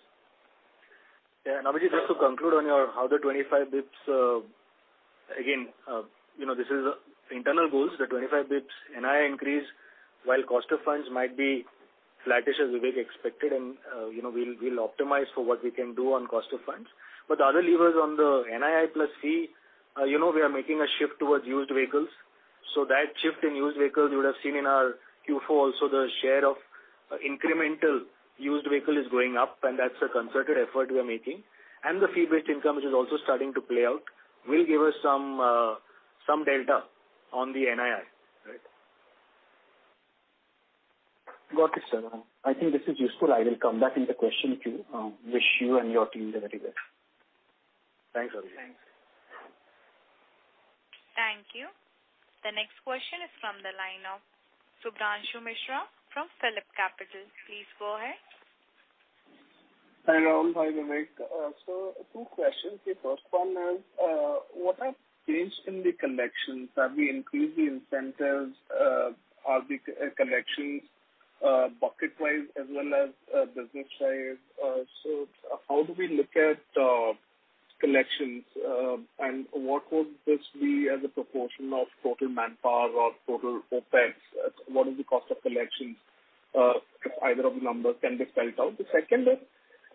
Yeah. And Abhijit, just to conclude on your how the 25 basis points again, this is internal goals, the 25 basis points NII increase while cost of funds might be flattish as Vivek expected. And we'll optimize for what we can do on cost of funds. But the other levers on the NII plus fee, we are making a shift towards used vehicles. So that shift in used vehicles, you would have seen in our Q4 also, the share of incremental used vehicle is going up. And that's a concerted effort we are making. The fee-based income, which is also starting to play out, will give us some delta on the NII, right? Got it, sir. I think this is useful. I will come back in the question too. Wish you and your team the very best. Thanks, Abhijit. Thanks. Thank you. The next question is from the line of Shubhranshu Mishra from PhillipCapital. Please go ahead. Hi, Raul. Hi, Vivek. So two questions. The first one is, what have changed in the collections? Have we increased the incentives? Are the collections bucket-wise as well as business-wise? So how do we look at collections? And what would this be as a proportion of total manpower or total OpEx? What is the cost of collections? Either of the numbers can be spelled out. The second is,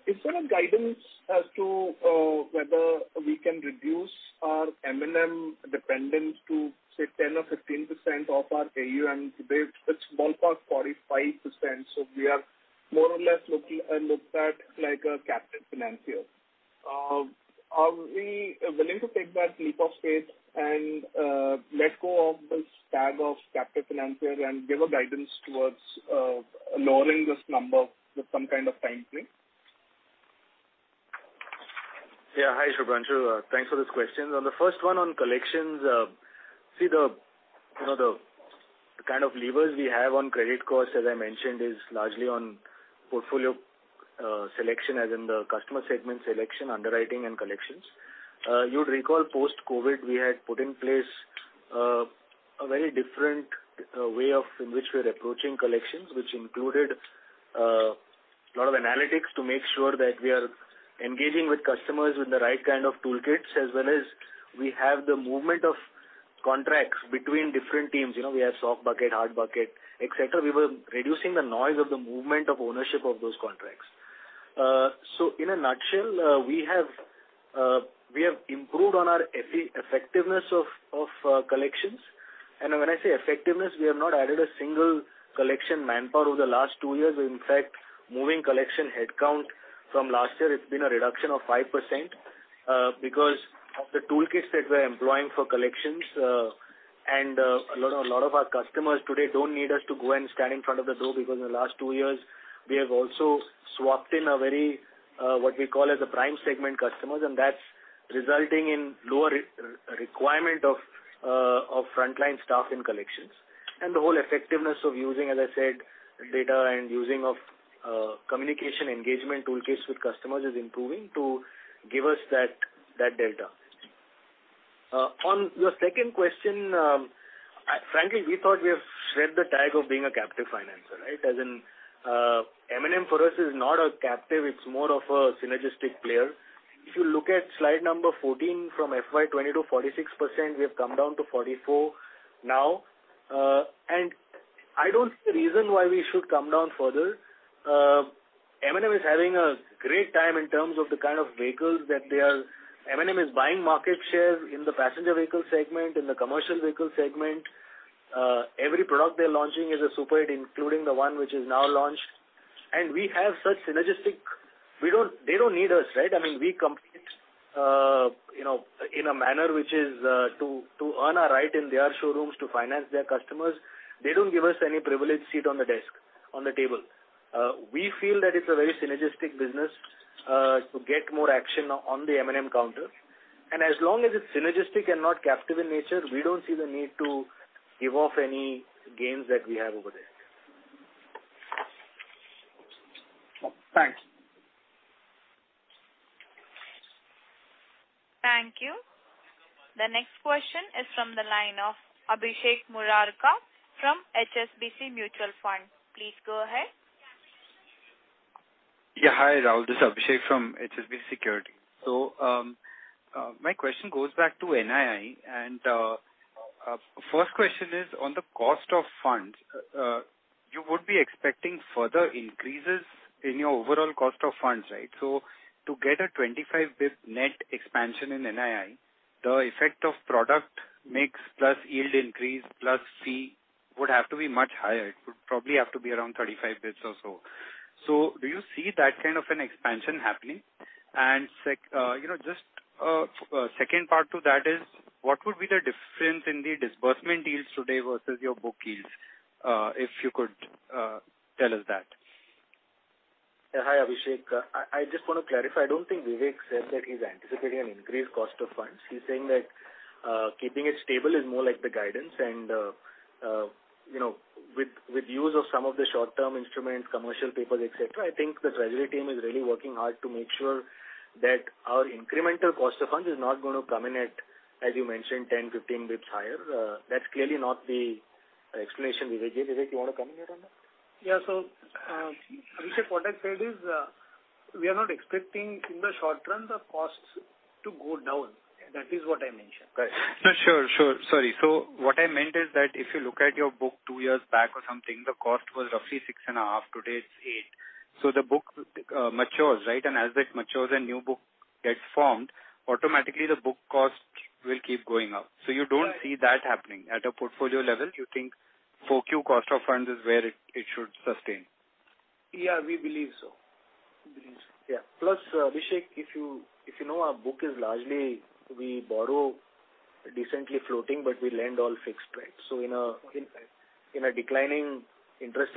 is there a guidance as to whether we can reduce our M&M dependence to, say, 10% or 15% of our AUM? It's ballpark 45%. So we are more or less looked at like a captive financier. Are we willing to take that leap of faith and let go of this tag of captive financier and give a guidance towards lowering this number with some kind of timeframe? Yeah. Hi, Shubhranshu. Thanks for this question. On the first one, on collections, see, the kind of levers we have on credit costs, as I mentioned, is largely on portfolio selection, as in the customer segment selection, underwriting, and collections. You'd recall post-COVID, we had put in place a very different way in which we were approaching collections, which included a lot of analytics to make sure that we are engaging with customers with the right kind of toolkits, as well as we have the movement of contracts between different teams. We have soft bucket, hard bucket, etc. We were reducing the noise of the movement of ownership of those contracts. So in a nutshell, we have improved on our effectiveness of collections. And when I say effectiveness, we have not added a single collection manpower over the last two years. In fact, moving collection headcount from last year, it's been a reduction of 5% because of the toolkits that we are employing for collections. And a lot of our customers today don't need us to go and stand in front of the door because in the last two years, we have also swapped in what we call as the prime segment customers. And that's resulting in lower requirement of frontline staff in collections. And the whole effectiveness of using, as I said, data and using of communication engagement toolkits with customers is improving to give us that delta. On your second question, frankly, we thought we have shed the tag of being a captive financier, right? As in, M&M for us is not a captive. It's more of a synergistic player. If you look at slide number 14 from FY 2022, 46%, we have come down to 44% now. I don't see the reason why we should come down further. M&M is having a great time in terms of the kind of vehicles that they are. M&M is buying market share in the passenger vehicle segment, in the commercial vehicle segment. Every product they're launching is a superhit, including the one which is now launched. And we have such synergistic they don't need us, right? I mean, we compete in a manner which is to earn our right in their showrooms to finance their customers. They don't give us any privileged seat on the desk, on the table. We feel that it's a very synergistic business to get more action on the M&M counter. And as long as it's synergistic and not captive in nature, we don't see the need to give off any gains that we have over there. Thanks. Thank you. The next question is from the line of Abhishek Murarka from HSBC Mutual Fund. Please go ahead. Yeah. Hi, Raul. This is Abhishek from HSBC Securities. So my question goes back to NII. And first question is, on the cost of funds, you would be expecting further increases in your overall cost of funds, right? So to get a 25 bps net expansion in NII, the effect of product mix plus yield increase plus fee would have to be much higher. It would probably have to be around 35 bps or so. So do you see that kind of an expansion happening? And just a second part to that is, what would be the difference in the disbursement yields today versus your book yields if you could tell us that? Yeah. Hi, Abhishek. I just want to clarify. I don't think Vivek said that he's anticipating an increased cost of funds. He's saying that keeping it stable is more like the guidance. And with use of some of the short-term instruments, commercial papers, etc., I think the treasury team is really working hard to make sure that our incremental cost of funds is not going to come in at, as you mentioned, 10, 15 basis points higher. That's clearly not the explanation Vivek gave. Vivek, you want to comment on that? Yeah. So Abhishek, what I said is, we are not expecting in the short run the costs to go down. That is what I mentioned. Right. No, sure. Sure. Sorry. So what I meant is that if you look at your book two years back or something, the cost was roughly 6.5. Today, it's eight. So the book matures, right? And as it matures and new book gets formed, automatically, the book cost will keep going up. So you don't see that happening. At a portfolio level, you think 4Q cost of funds is where it should sustain. Yeah. We believe so. We believe so. Yeah. Plus, Abhishek, if you know our book is largely we borrow decently floating, but we lend all fixed, right? So in a declining interest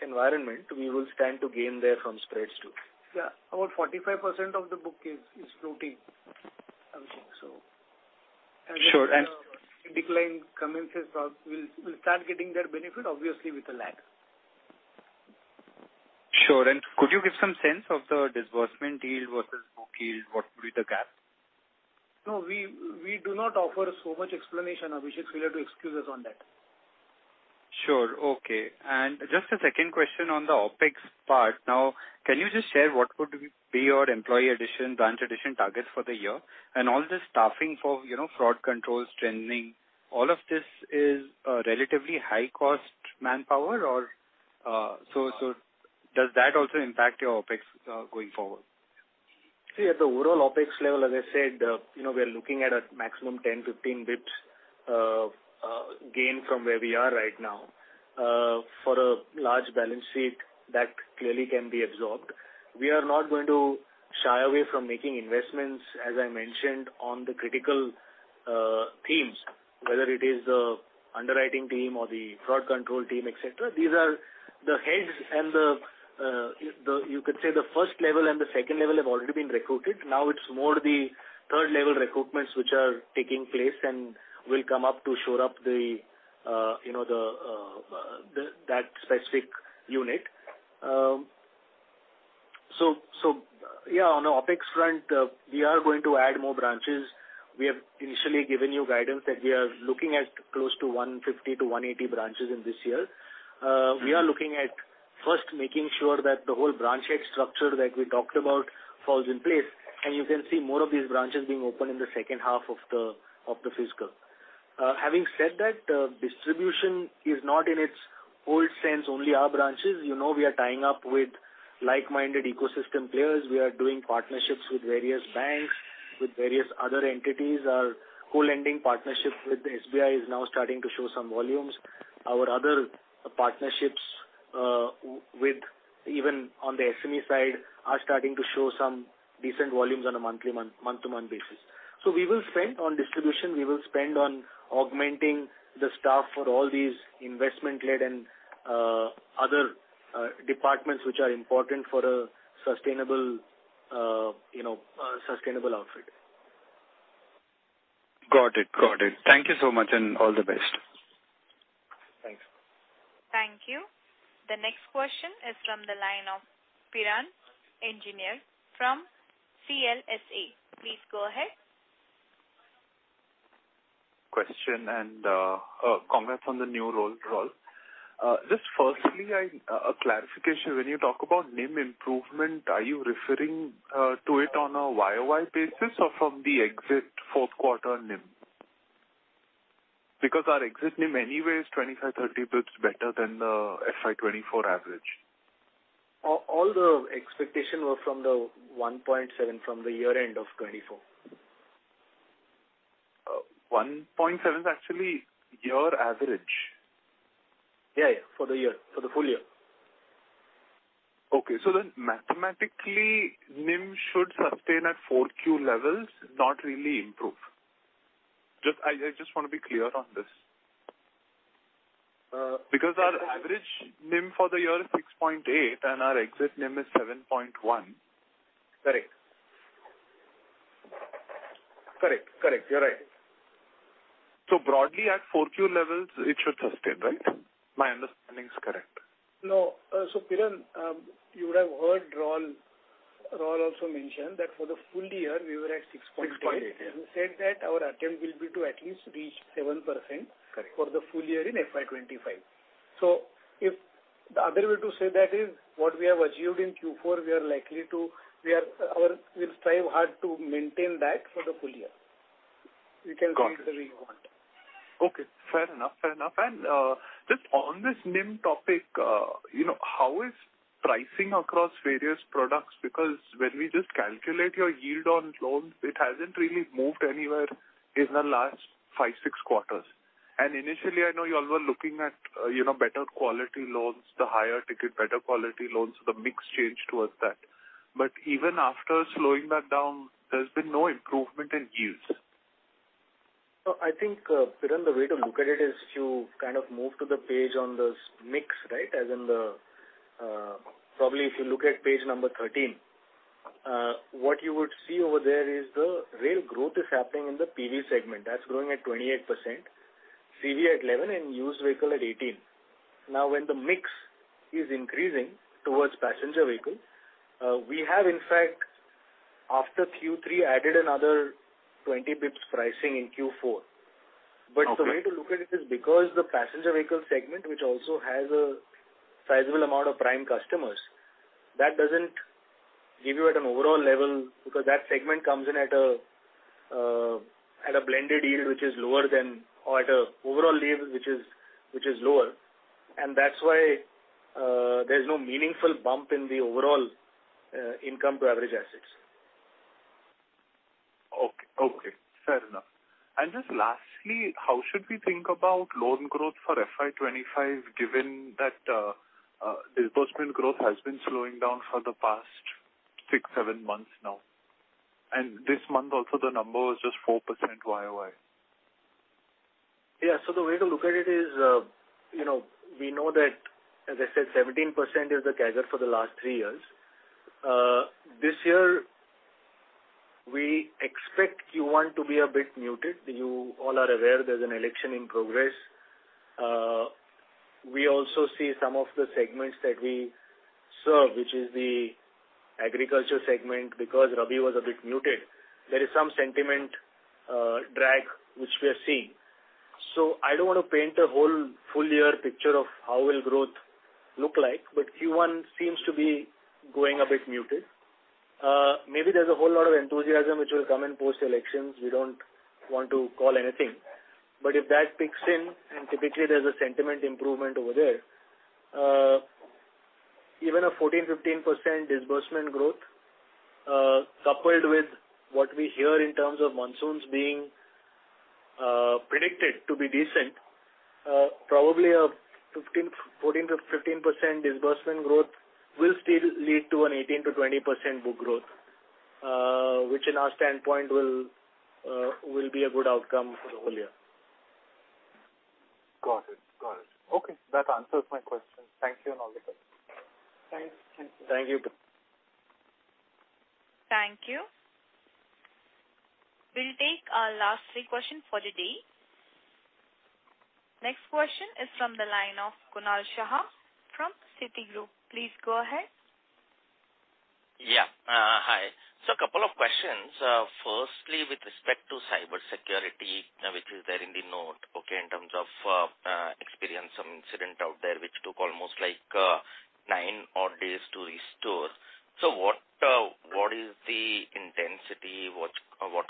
environment, we will stand to gain therefrom spreads too. Yeah. About 45% of the book is floating, Abhishek. So as in. Sure. And. Decline commences, we'll start getting that benefit, obviously, with a lag. Sure. And could you give some sense of the disbursement yield versus book yield? What would be the gap? No. We do not offer so much explanation, Abhishek. Feel free to excuse us on that. Sure. Okay. And just a second question on the OpEx part. Now, can you just share what would be your employee addition, branch addition targets for the year? And all this staffing for fraud controls, training, all of this is relatively high-cost manpower, or? So does that also impact your OpEx going forward? See, at the overall OpEx level, as I said, we are looking at a maximum 10-15 basis points gain from where we are right now. For a large balance sheet, that clearly can be absorbed. We are not going to shy away from making investments, as I mentioned, on the critical themes, whether it is the underwriting team or the fraud control team, etc. These are the heads and, you could say, the first level and the second level have already been recruited. Now, it's more the third-level recruitments which are taking place and will come up to shore up that specific unit. So yeah, on the OpEx front, we are going to add more branches. We have initially given you guidance that we are looking at close to 150-180 branches in this year. We are looking at first making sure that the whole branch head structure that we talked about falls in place. And you can see more of these branches being opened in the second half of the fiscal. Having said that, distribution is not in its old sense, only our branches. We are tying up with like-minded ecosystem players. We are doing partnerships with various banks, with various other entities. Our co-lending partnership with the SBI is now starting to show some volumes. Our other partnerships even on the SME side are starting to show some decent volumes on a month-to-month basis. So we will spend on distribution. We will spend on augmenting the staff for all these investment-led and other departments which are important for a sustainable outfit. Got it. Got it. Thank you so much, and all the best. Thanks. Thank you. The next question is from the line of Piran Engineer from CLSA. Please go ahead. And congrats on the new role, Raul. Just firstly, a clarification. When you talk about NIM improvement, are you referring to it on a YoY basis or from the exit fourth-quarter NIM? Because our exit NIM anyway is 25-30 basis points better than the FY 2024 average. All the expectations were from the 1.7 from the year-end of 2024. 1.7 is actually year average. Yeah, yeah. For the year, for the full year. Okay. So then mathematically, NIM should sustain at 4Q levels, not really improve. I just want to be clear on this. Because our average NIM for the year is 6.8, and our exit NIM is 7.1. Correct. Correct. Correct. You're right. Broadly, at 4Q levels, it should sustain, right? My understanding is correct. No. So Piran, you would have heard Raul also mention that for the full year, we were at 6.8. 6.8. He said that our attempt will be to at least reach 7% for the full year in FY 2025. So the other way to say that is, what we have achieved in Q4, we are likely to we will strive hard to maintain that for the full year. We can reach the reach we want. Okay. Fair enough. Fair enough. And just on this NIM topic, how is pricing across various products? Because when we just calculate your yield on loans, it hasn't really moved anywhere in the last five, six quarters. And initially, I know you all were looking at better quality loans, the higher ticket, better quality loans. So the mix changed towards that. But even after slowing that down, there's been no improvement in yields. So I think, Piran, the way to look at it is if you kind of move to the page on the mix, right? As in, probably if you look at page number 13, what you would see over there is the real growth is happening in the PV segment. That's growing at 28%, CV at 11%, and used vehicle at 18%. Now, when the mix is increasing towards passenger vehicle, we have, in fact, after Q3, added another 20 basis points pricing in Q4. But the way to look at it is because the passenger vehicle segment, which also has a sizable amount of prime customers, that doesn't give you at an overall level because that segment comes in at a blended yield which is lower than or at an overall yield which is lower. And that's why there's no meaningful bump in the overall income-to-average assets. Okay. Okay. Fair enough. And just lastly, how should we think about loan growth for FY 2025 given that disbursement growth has been slowing down for the past six, seven months now? And this month, also, the number was just 4% YoY. Yeah. So the way to look at it is we know that, as I said, 17% is the usual for the last three years. This year, we expect Q1 to be a bit muted. You all are aware. There's an election in progress. We also see some of the segments that we serve, which is the agriculture segment, because Rabi was a bit muted, there is some sentiment drag which we are seeing. So I don't want to paint a whole full-year picture of how will growth look like. But Q1 seems to be going a bit muted. Maybe there's a whole lot of enthusiasm which will come in post-elections. We don't want to call anything. If that picks in, and typically, there's a sentiment improvement over there, even a 14%-15% disbursement growth coupled with what we hear in terms of monsoons being predicted to be decent, probably a 14%-15% disbursement growth will still lead to an 18%-20% book growth, which, in our standpoint, will be a good outcome for the whole year. Got it. Got it. Okay. That answers my question. Thank you and all the good. Thanks. Thank you. Thank you. Thank you. We'll take our last three questions for today. Next question is from the line of Kunal Shah from Citigroup. Please go ahead. Yeah. Hi. So a couple of questions. Firstly, with respect to cybersecurity, which is there in the note, okay, in terms of experience some incident out there which took almost like nine odd days to restore. So what is the intensity? What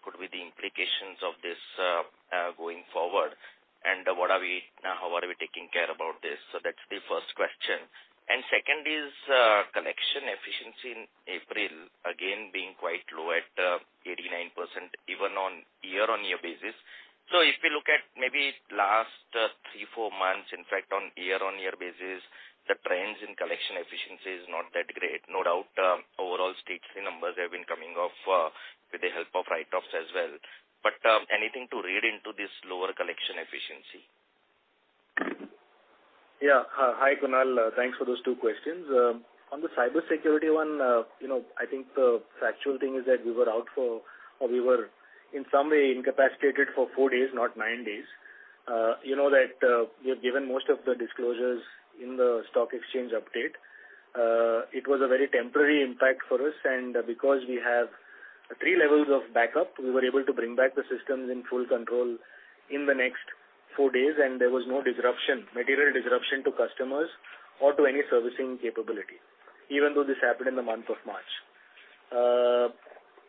could be the implications of this going forward? And how are we taking care about this? So that's the first question. And second is collection efficiency in April, again, being quite low at 89% even on year-on-year basis. So if we look at maybe last three, four months, in fact, on year-on-year basis, the trends in collection efficiency is not that great. No doubt, overall, state numbers have been coming off with the help of write-offs as well. But anything to read into this lower collection efficiency? Yeah. Hi, Kunal. Thanks for those two questions. On the cybersecurity one, I think the factual thing is that we were out for or we were, in some way, incapacitated for four days, not nine days. You know that we have given most of the disclosures in the stock exchange update. It was a very temporary impact for us. And because we have three levels of backup, we were able to bring back the systems in full control in the next four days. And there was no disruption, material disruption to customers or to any servicing capability even though this happened in the month of March.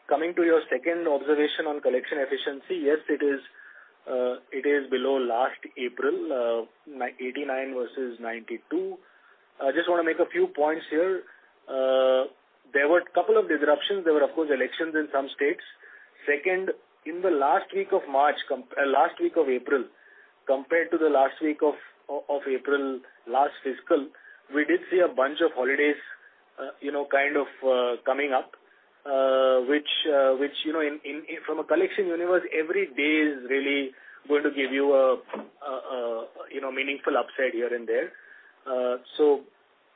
Coming to your second observation on collection efficiency, yes, it is below last April, 89 versus 92. I just want to make a few points here. There were a couple of disruptions. There were, of course, elections in some states. Second, in the last week of March, last week of April compared to the last week of April last fiscal, we did see a bunch of holidays kind of coming up, which, from a collection universe, every day is really going to give you a meaningful upside here and there. So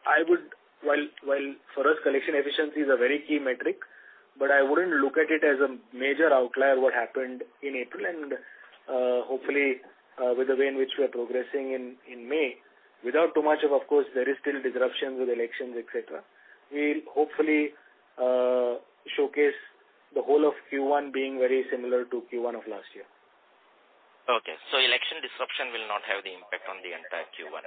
for us, collection efficiency is a very key metric. But I wouldn't look at it as a major outlier what happened in April and hopefully with the way in which we are progressing in May. Without too much of, of course, there is still disruption with elections, etc., we'll hopefully showcase the whole of Q1 being very similar to Q1 of last year. Okay. So election disruption will not have the impact on the entire Q1?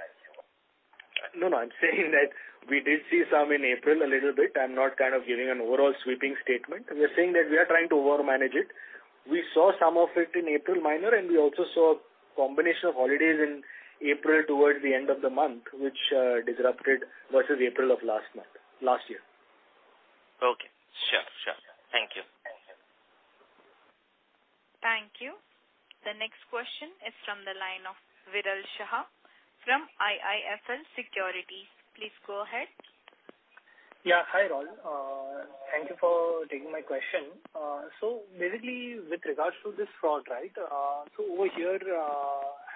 No, no. I'm saying that we did see some in April a little bit. I'm not kind of giving an overall sweeping statement. We are saying that we are trying to overmanage it. We saw some of it in April, minor, and we also saw a combination of holidays in April towards the end of the month which disrupted versus April of last year. Okay. Sure. Sure. Thank you. Thank you. The next question is from the line of Viral Shah from IIFL Securities. Please go ahead. Yeah. Hi, Raul. Thank you for taking my question. So basically, with regards to this fraud, right, so over here,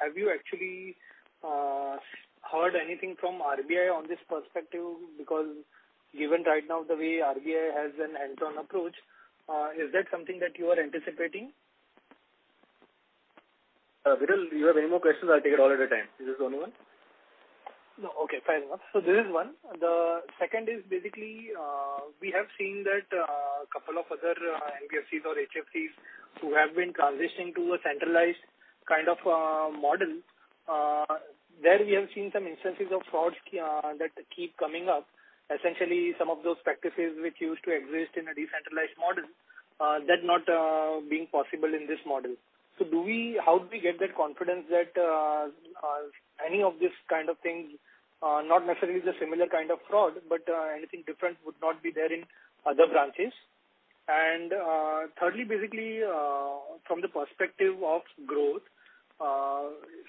have you actually heard anything from RBI on this perspective? Because given right now the way RBI has a hands-on approach, is that something that you are anticipating? Viral, you have any more questions? I'll take it all at a time. Is this the only one? No. Okay. Fair enough. So this is one. The second is basically, we have seen that a couple of other NBFCs or HFCs who have been transitioning to a centralized kind of model, there we have seen some instances of frauds that keep coming up. Essentially, some of those practices which used to exist in a decentralized model, they're not being possible in this model. So how do we get that confidence that any of this kind of things, not necessarily the similar kind of fraud, but anything different, would not be there in other branches? And thirdly, basically, from the perspective of growth,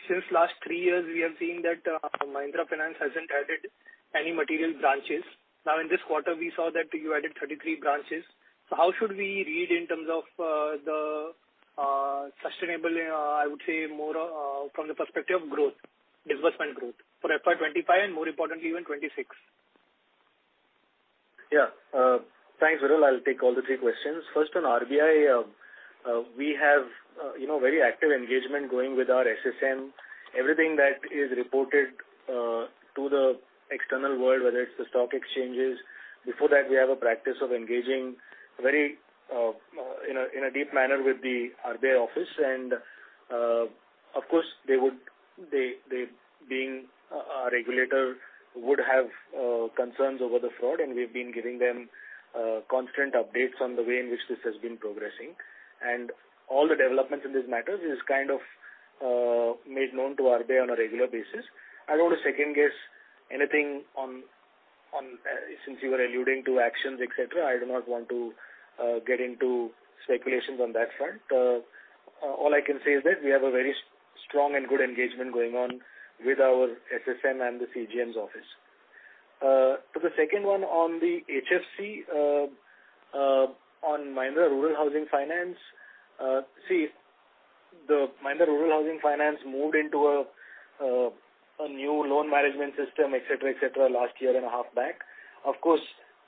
since last three years, we have seen that Mahindra Finance hasn't added any material branches. Now, in this quarter, we saw that you added 33 branches. How should we read in terms of the sustainable, I would say, more from the perspective of growth, disbursement growth for FY 2025 and more importantly, even 2026? Yeah. Thanks, Viral. I'll take all the three questions. First, on RBI, we have very active engagement going with our SSM. Everything that is reported to the external world, whether it's the stock exchanges, before that, we have a practice of engaging very in a deep manner with the RBI office. And of course, being a regulator, we would have concerns over the fraud. And we've been giving them constant updates on the way in which this has been progressing. And all the developments in this matter is kind of made known to RBI on a regular basis. I don't want to second-guess anything since you were alluding to actions, etc. I do not want to get into speculations on that front. All I can say is that we have a very strong and good engagement going on with our SSM and the CGM's office. To the second one, on the HFC, on Mahindra Rural Housing Finance, see, Mahindra Rural Housing Finance moved into a new loan management system, etc., etc., last year and a half back. Of course,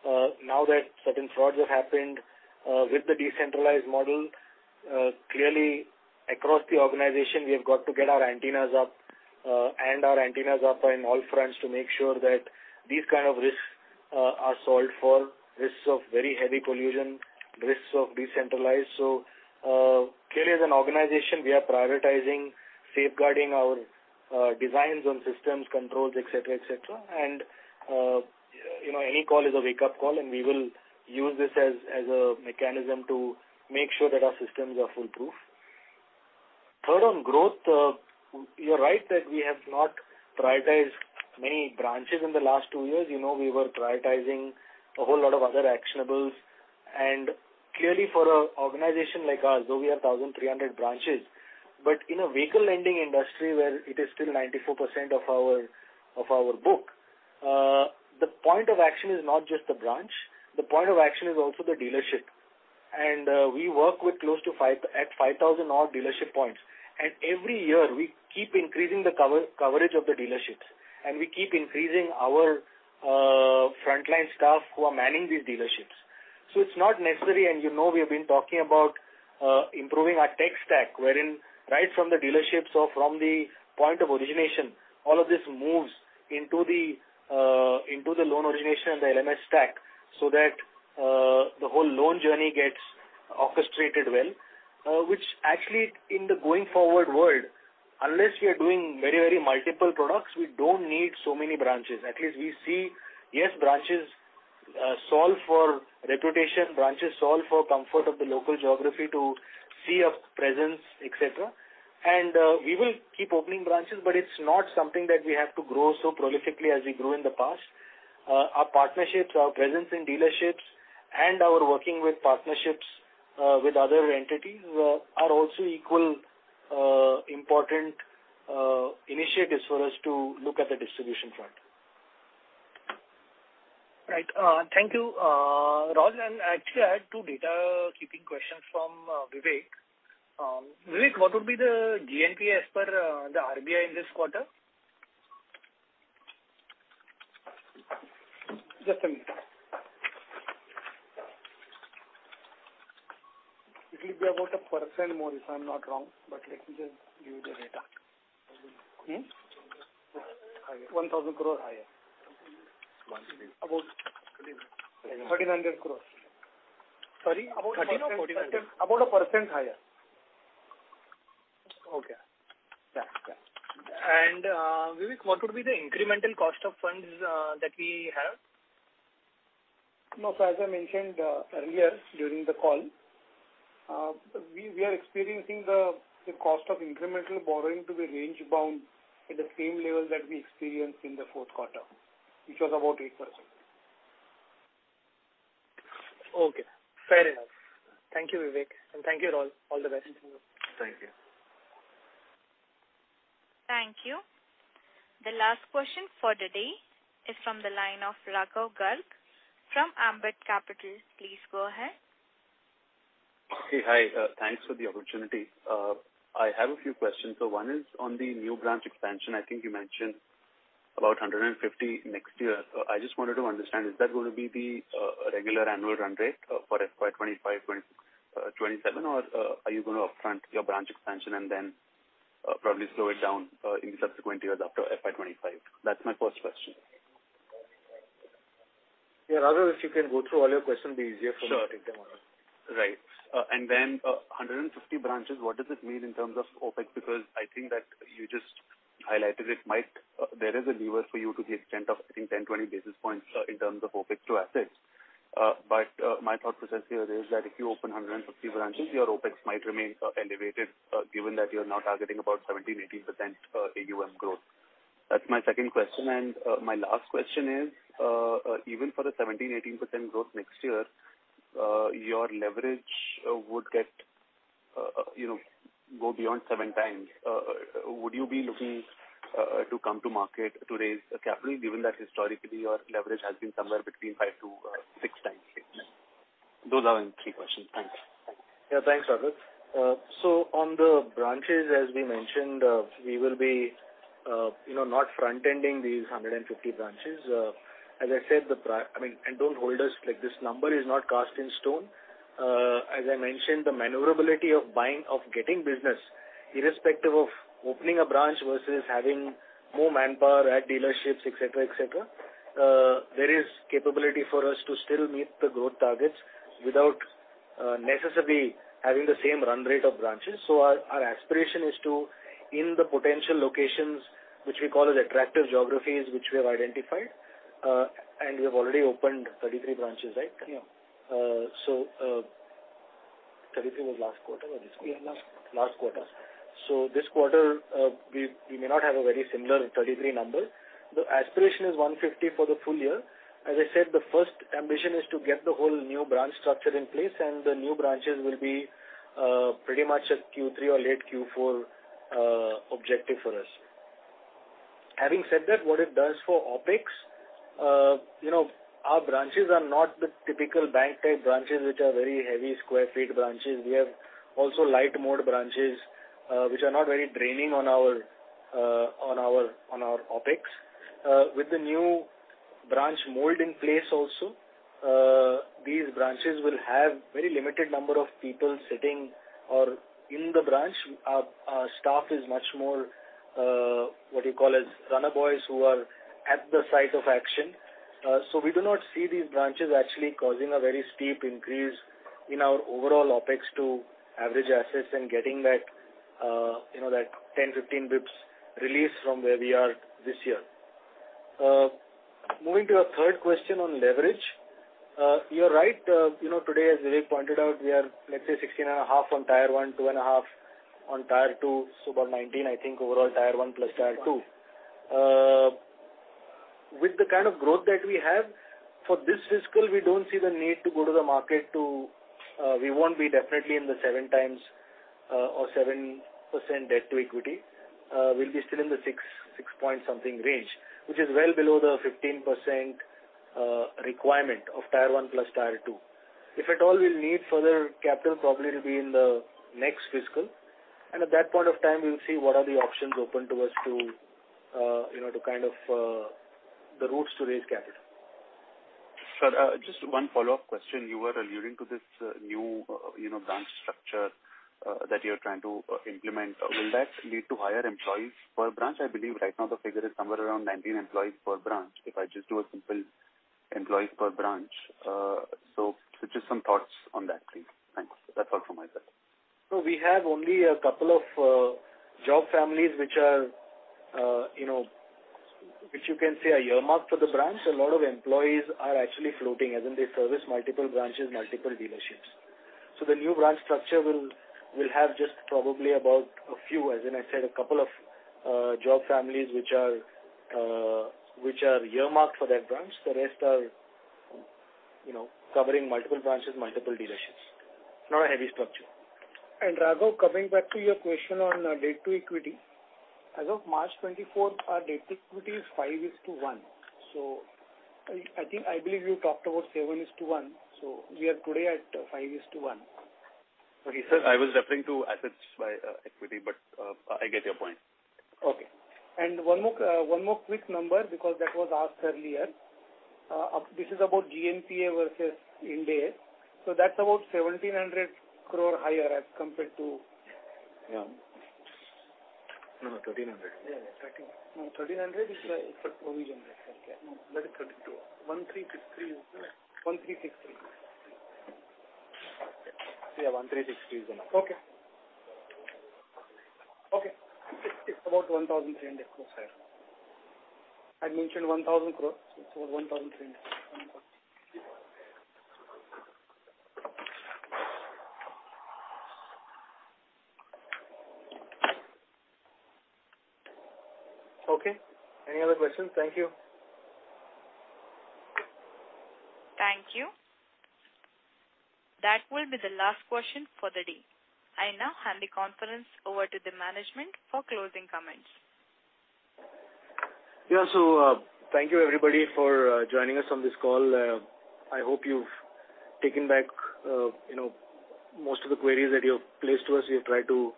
now that certain frauds have happened with the decentralized model, clearly, across the organization, we have got to get our antennas up and our antennas up on all fronts to make sure that these kind of risks are solved for risks of very heavy collusion, risks of decentralized. So clearly, as an organization, we are prioritizing safeguarding our designs on systems, controls, etc., etc. And any call is a wake-up call. And we will use this as a mechanism to make sure that our systems are foolproof. Third, on growth, you're right that we have not prioritized many branches in the last two years. We were prioritizing a whole lot of other actionables. Clearly, for an organization like ours, though we have 1,300 branches, but in a vehicle lending industry where it is still 94% of our book, the point of action is not just the branch. The point of action is also the dealership. And we work with close to 5,000-odd dealership points. And every year, we keep increasing the coverage of the dealerships. And we keep increasing our frontline staff who are manning these dealerships. So it's not necessary. And you know we have been talking about improving our tech stack wherein right from the dealerships or from the point of origination, all of this moves into the loan origination and the LMS stack so that the whole loan journey gets orchestrated well, which actually, in the going forward world, unless we are doing very, very multiple products, we don't need so many branches. At least, we see, yes, branches solve for reputation, branches solve for comfort of the local geography to see a presence, etc. We will keep opening branches. It's not something that we have to grow so prolifically as we grew in the past. Our partnerships, our presence in dealerships, and our working with partnerships with other entities are also equally important initiatives for us to look at the distribution front. Right. Thank you, Raul. And actually, I had two data-keeping questions from Vivek. Vivek, what would be the GNPA as per the RBI in this quarter? Just a minute. It will be about 1% more, if I'm not wrong. But let me just give you the data. 1,000 crore higher. About 1,300 crore. Sorry? About 13 or 14? About 1% higher. Okay. Yeah. Yeah. And Vivek, what would be the incremental cost of funds that we have? No. So as I mentioned earlier during the call, we are experiencing the cost of incremental borrowing to be range-bound at the same level that we experienced in the fourth quarter, which was about 8%. Okay. Fair enough. Thank you, Vivek. And thank you, Raul. All the best. Thank you. Thank you. The last question for today is from the line of Raghav Garg from Ambit Capital. Please go ahead. Okay. Hi. Thanks for the opportunity. I have a few questions. One is on the new branch expansion. I think you mentioned about 150 next year. I just wanted to understand, is that going to be the regular annual run rate for FY 2025, FY 2026, FY 2027, or are you going to upfront your branch expansion and then probably slow it down in the subsequent years after FY 2025? That's my first question. Yeah. Raghav, if you can go through all your questions, it'll be easier for me to take them all. Sure. Right. And then 150 branches, what does it mean in terms of OpEx? Because I think that you just highlighted it might there is a lever for you to the extent of, I think, 10, 20 basis points in terms of OpEx to assets. But my thought process here is that if you open 150 branches, your OpEx might remain elevated given that you're now targeting about 17%-18% AUM growth. That's my second question. And my last question is, even for the 17%-18% growth next year, your leverage would go beyond 7x. Would you be looking to come to market for capital given that historically, your leverage has been somewhere between 5x-6x? Those are my three questions. Thanks. Thanks. Yeah. Thanks, Raghav. So on the branches, as we mentioned, we will be not front-ending these 150 branches. As I said, the, I mean, and don't hold us. This number is not cast in stone. As I mentioned, the maneuverability of getting business, irrespective of opening a branch versus having more manpower at dealerships, etc., etc., there is capability for us to still meet the growth targets without necessarily having the same run rate of branches. So our aspiration is to, in the potential locations which we call as attractive geographies which we have identified and we have already opened 33 branches, right? Yeah. 33 was last quarter or this quarter? Yeah. Last quarter. So this quarter, we may not have a very similar 33 number. The aspiration is 150 for the full year. As I said, the first ambition is to get the whole new branch structure in place. The new branches will be pretty much a Q3 or late Q4 objective for us. Having said that, what it does for OpEx, our branches are not the typical bank-type branches which are very heavy square foot branches. We have also light-mode branches which are not very draining on our OpEx. With the new branch model in place also, these branches will have a very limited number of people sitting in the branch. Our staff is much more what you call as runner boys who are at the site of action. So we do not see these branches actually causing a very steep increase in our overall OpEx to average assets and getting that 10-15 bps release from where we are this year. Moving to your third question on leverage, you're right. Today, as Vivek pointed out, we are, let's say, 16.5 on Tier 1, 2.5 on Tier 2, so about 19, I think, overall Tier 1 plus Tier 2. With the kind of growth that we have, for this fiscal, we don't see the need to go to the market to we won't be definitely in the 7x or 7% debt to equity. We'll be still in the 6-point-something range, which is well below the 15% requirement of Tier 1 plus Tier 2. If at all, we'll need further capital, probably it'll be in the next fiscal. At that point of time, we'll see what are the options open to us to kind of the routes to raise capital. Sir, just one follow-up question. You were alluding to this new branch structure that you're trying to implement. Will that lead to higher employees per branch? I believe right now, the figure is somewhere around 19 employees per branch if I just do a simple employees per branch. So just some thoughts on that, please. Thanks. That's all from my side. No. We have only a couple of job families which you can say are earmarked for the branch. A lot of employees are actually floating, as in they service multiple branches, multiple dealerships. So the new branch structure will have just probably about a few, as I said, a couple of job families which are earmarked for that branch. The rest are covering multiple branches, multiple dealerships. Not a heavy structure. Raghav, coming back to your question on debt to equity, as of March 24th, 2024, our debt to equity is 5:1. So I believe you talked about 7:1. So we are today at 5:1. Okay. Sir, I was referring to assets by equity. But I get your point. Okay. And one more quick number because that was asked earlier. This is about GNPA versus Ind AS. So that's about 1,700 crore higher as compared to. Yeah. No, no. 1,300. Yeah. Yeah. 1,300. [CROSSTALK] No, 1,300 is for collusion. Let it 1,363. [CROSSTALK] Yeah. 1,363 is the number. Okay. Okay. It's about 1,300 crore higher. I'd mentioned 1,000 crore. So it's about 1,300 crore. Okay. Any other questions? Thank you. Thank you. That will be the last question for the day. I now hand the conference over to the management for closing comments. Yeah. So thank you, everybody, for joining us on this call. I hope you've taken back most of the queries that you've placed to us. We have tried to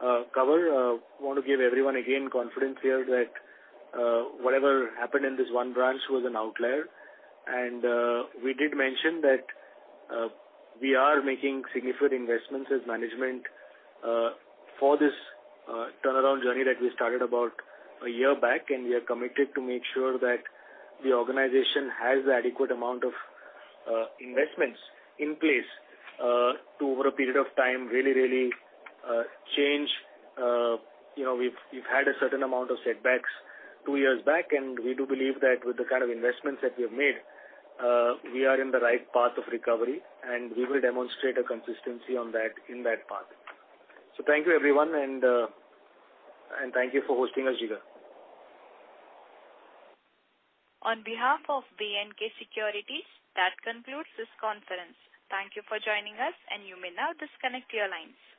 cover. I want to give everyone again confidence here that whatever happened in this one branch was an outlier. And we did mention that we are making significant investments as management for this turnaround journey that we started about a year back. And we are committed to make sure that the organization has the adequate amount of investments in place to, over a period of time, really, really change. We've had a certain amount of setbacks two years back. And we do believe that with the kind of investments that we have made, we are in the right path of recovery. And we will demonstrate a consistency in that path. So thank you, everyone. And thank you for hosting us, Jigar. On behalf of Batlivala & Karani Securities, that concludes this conference. Thank you for joining us. You may now disconnect your lines.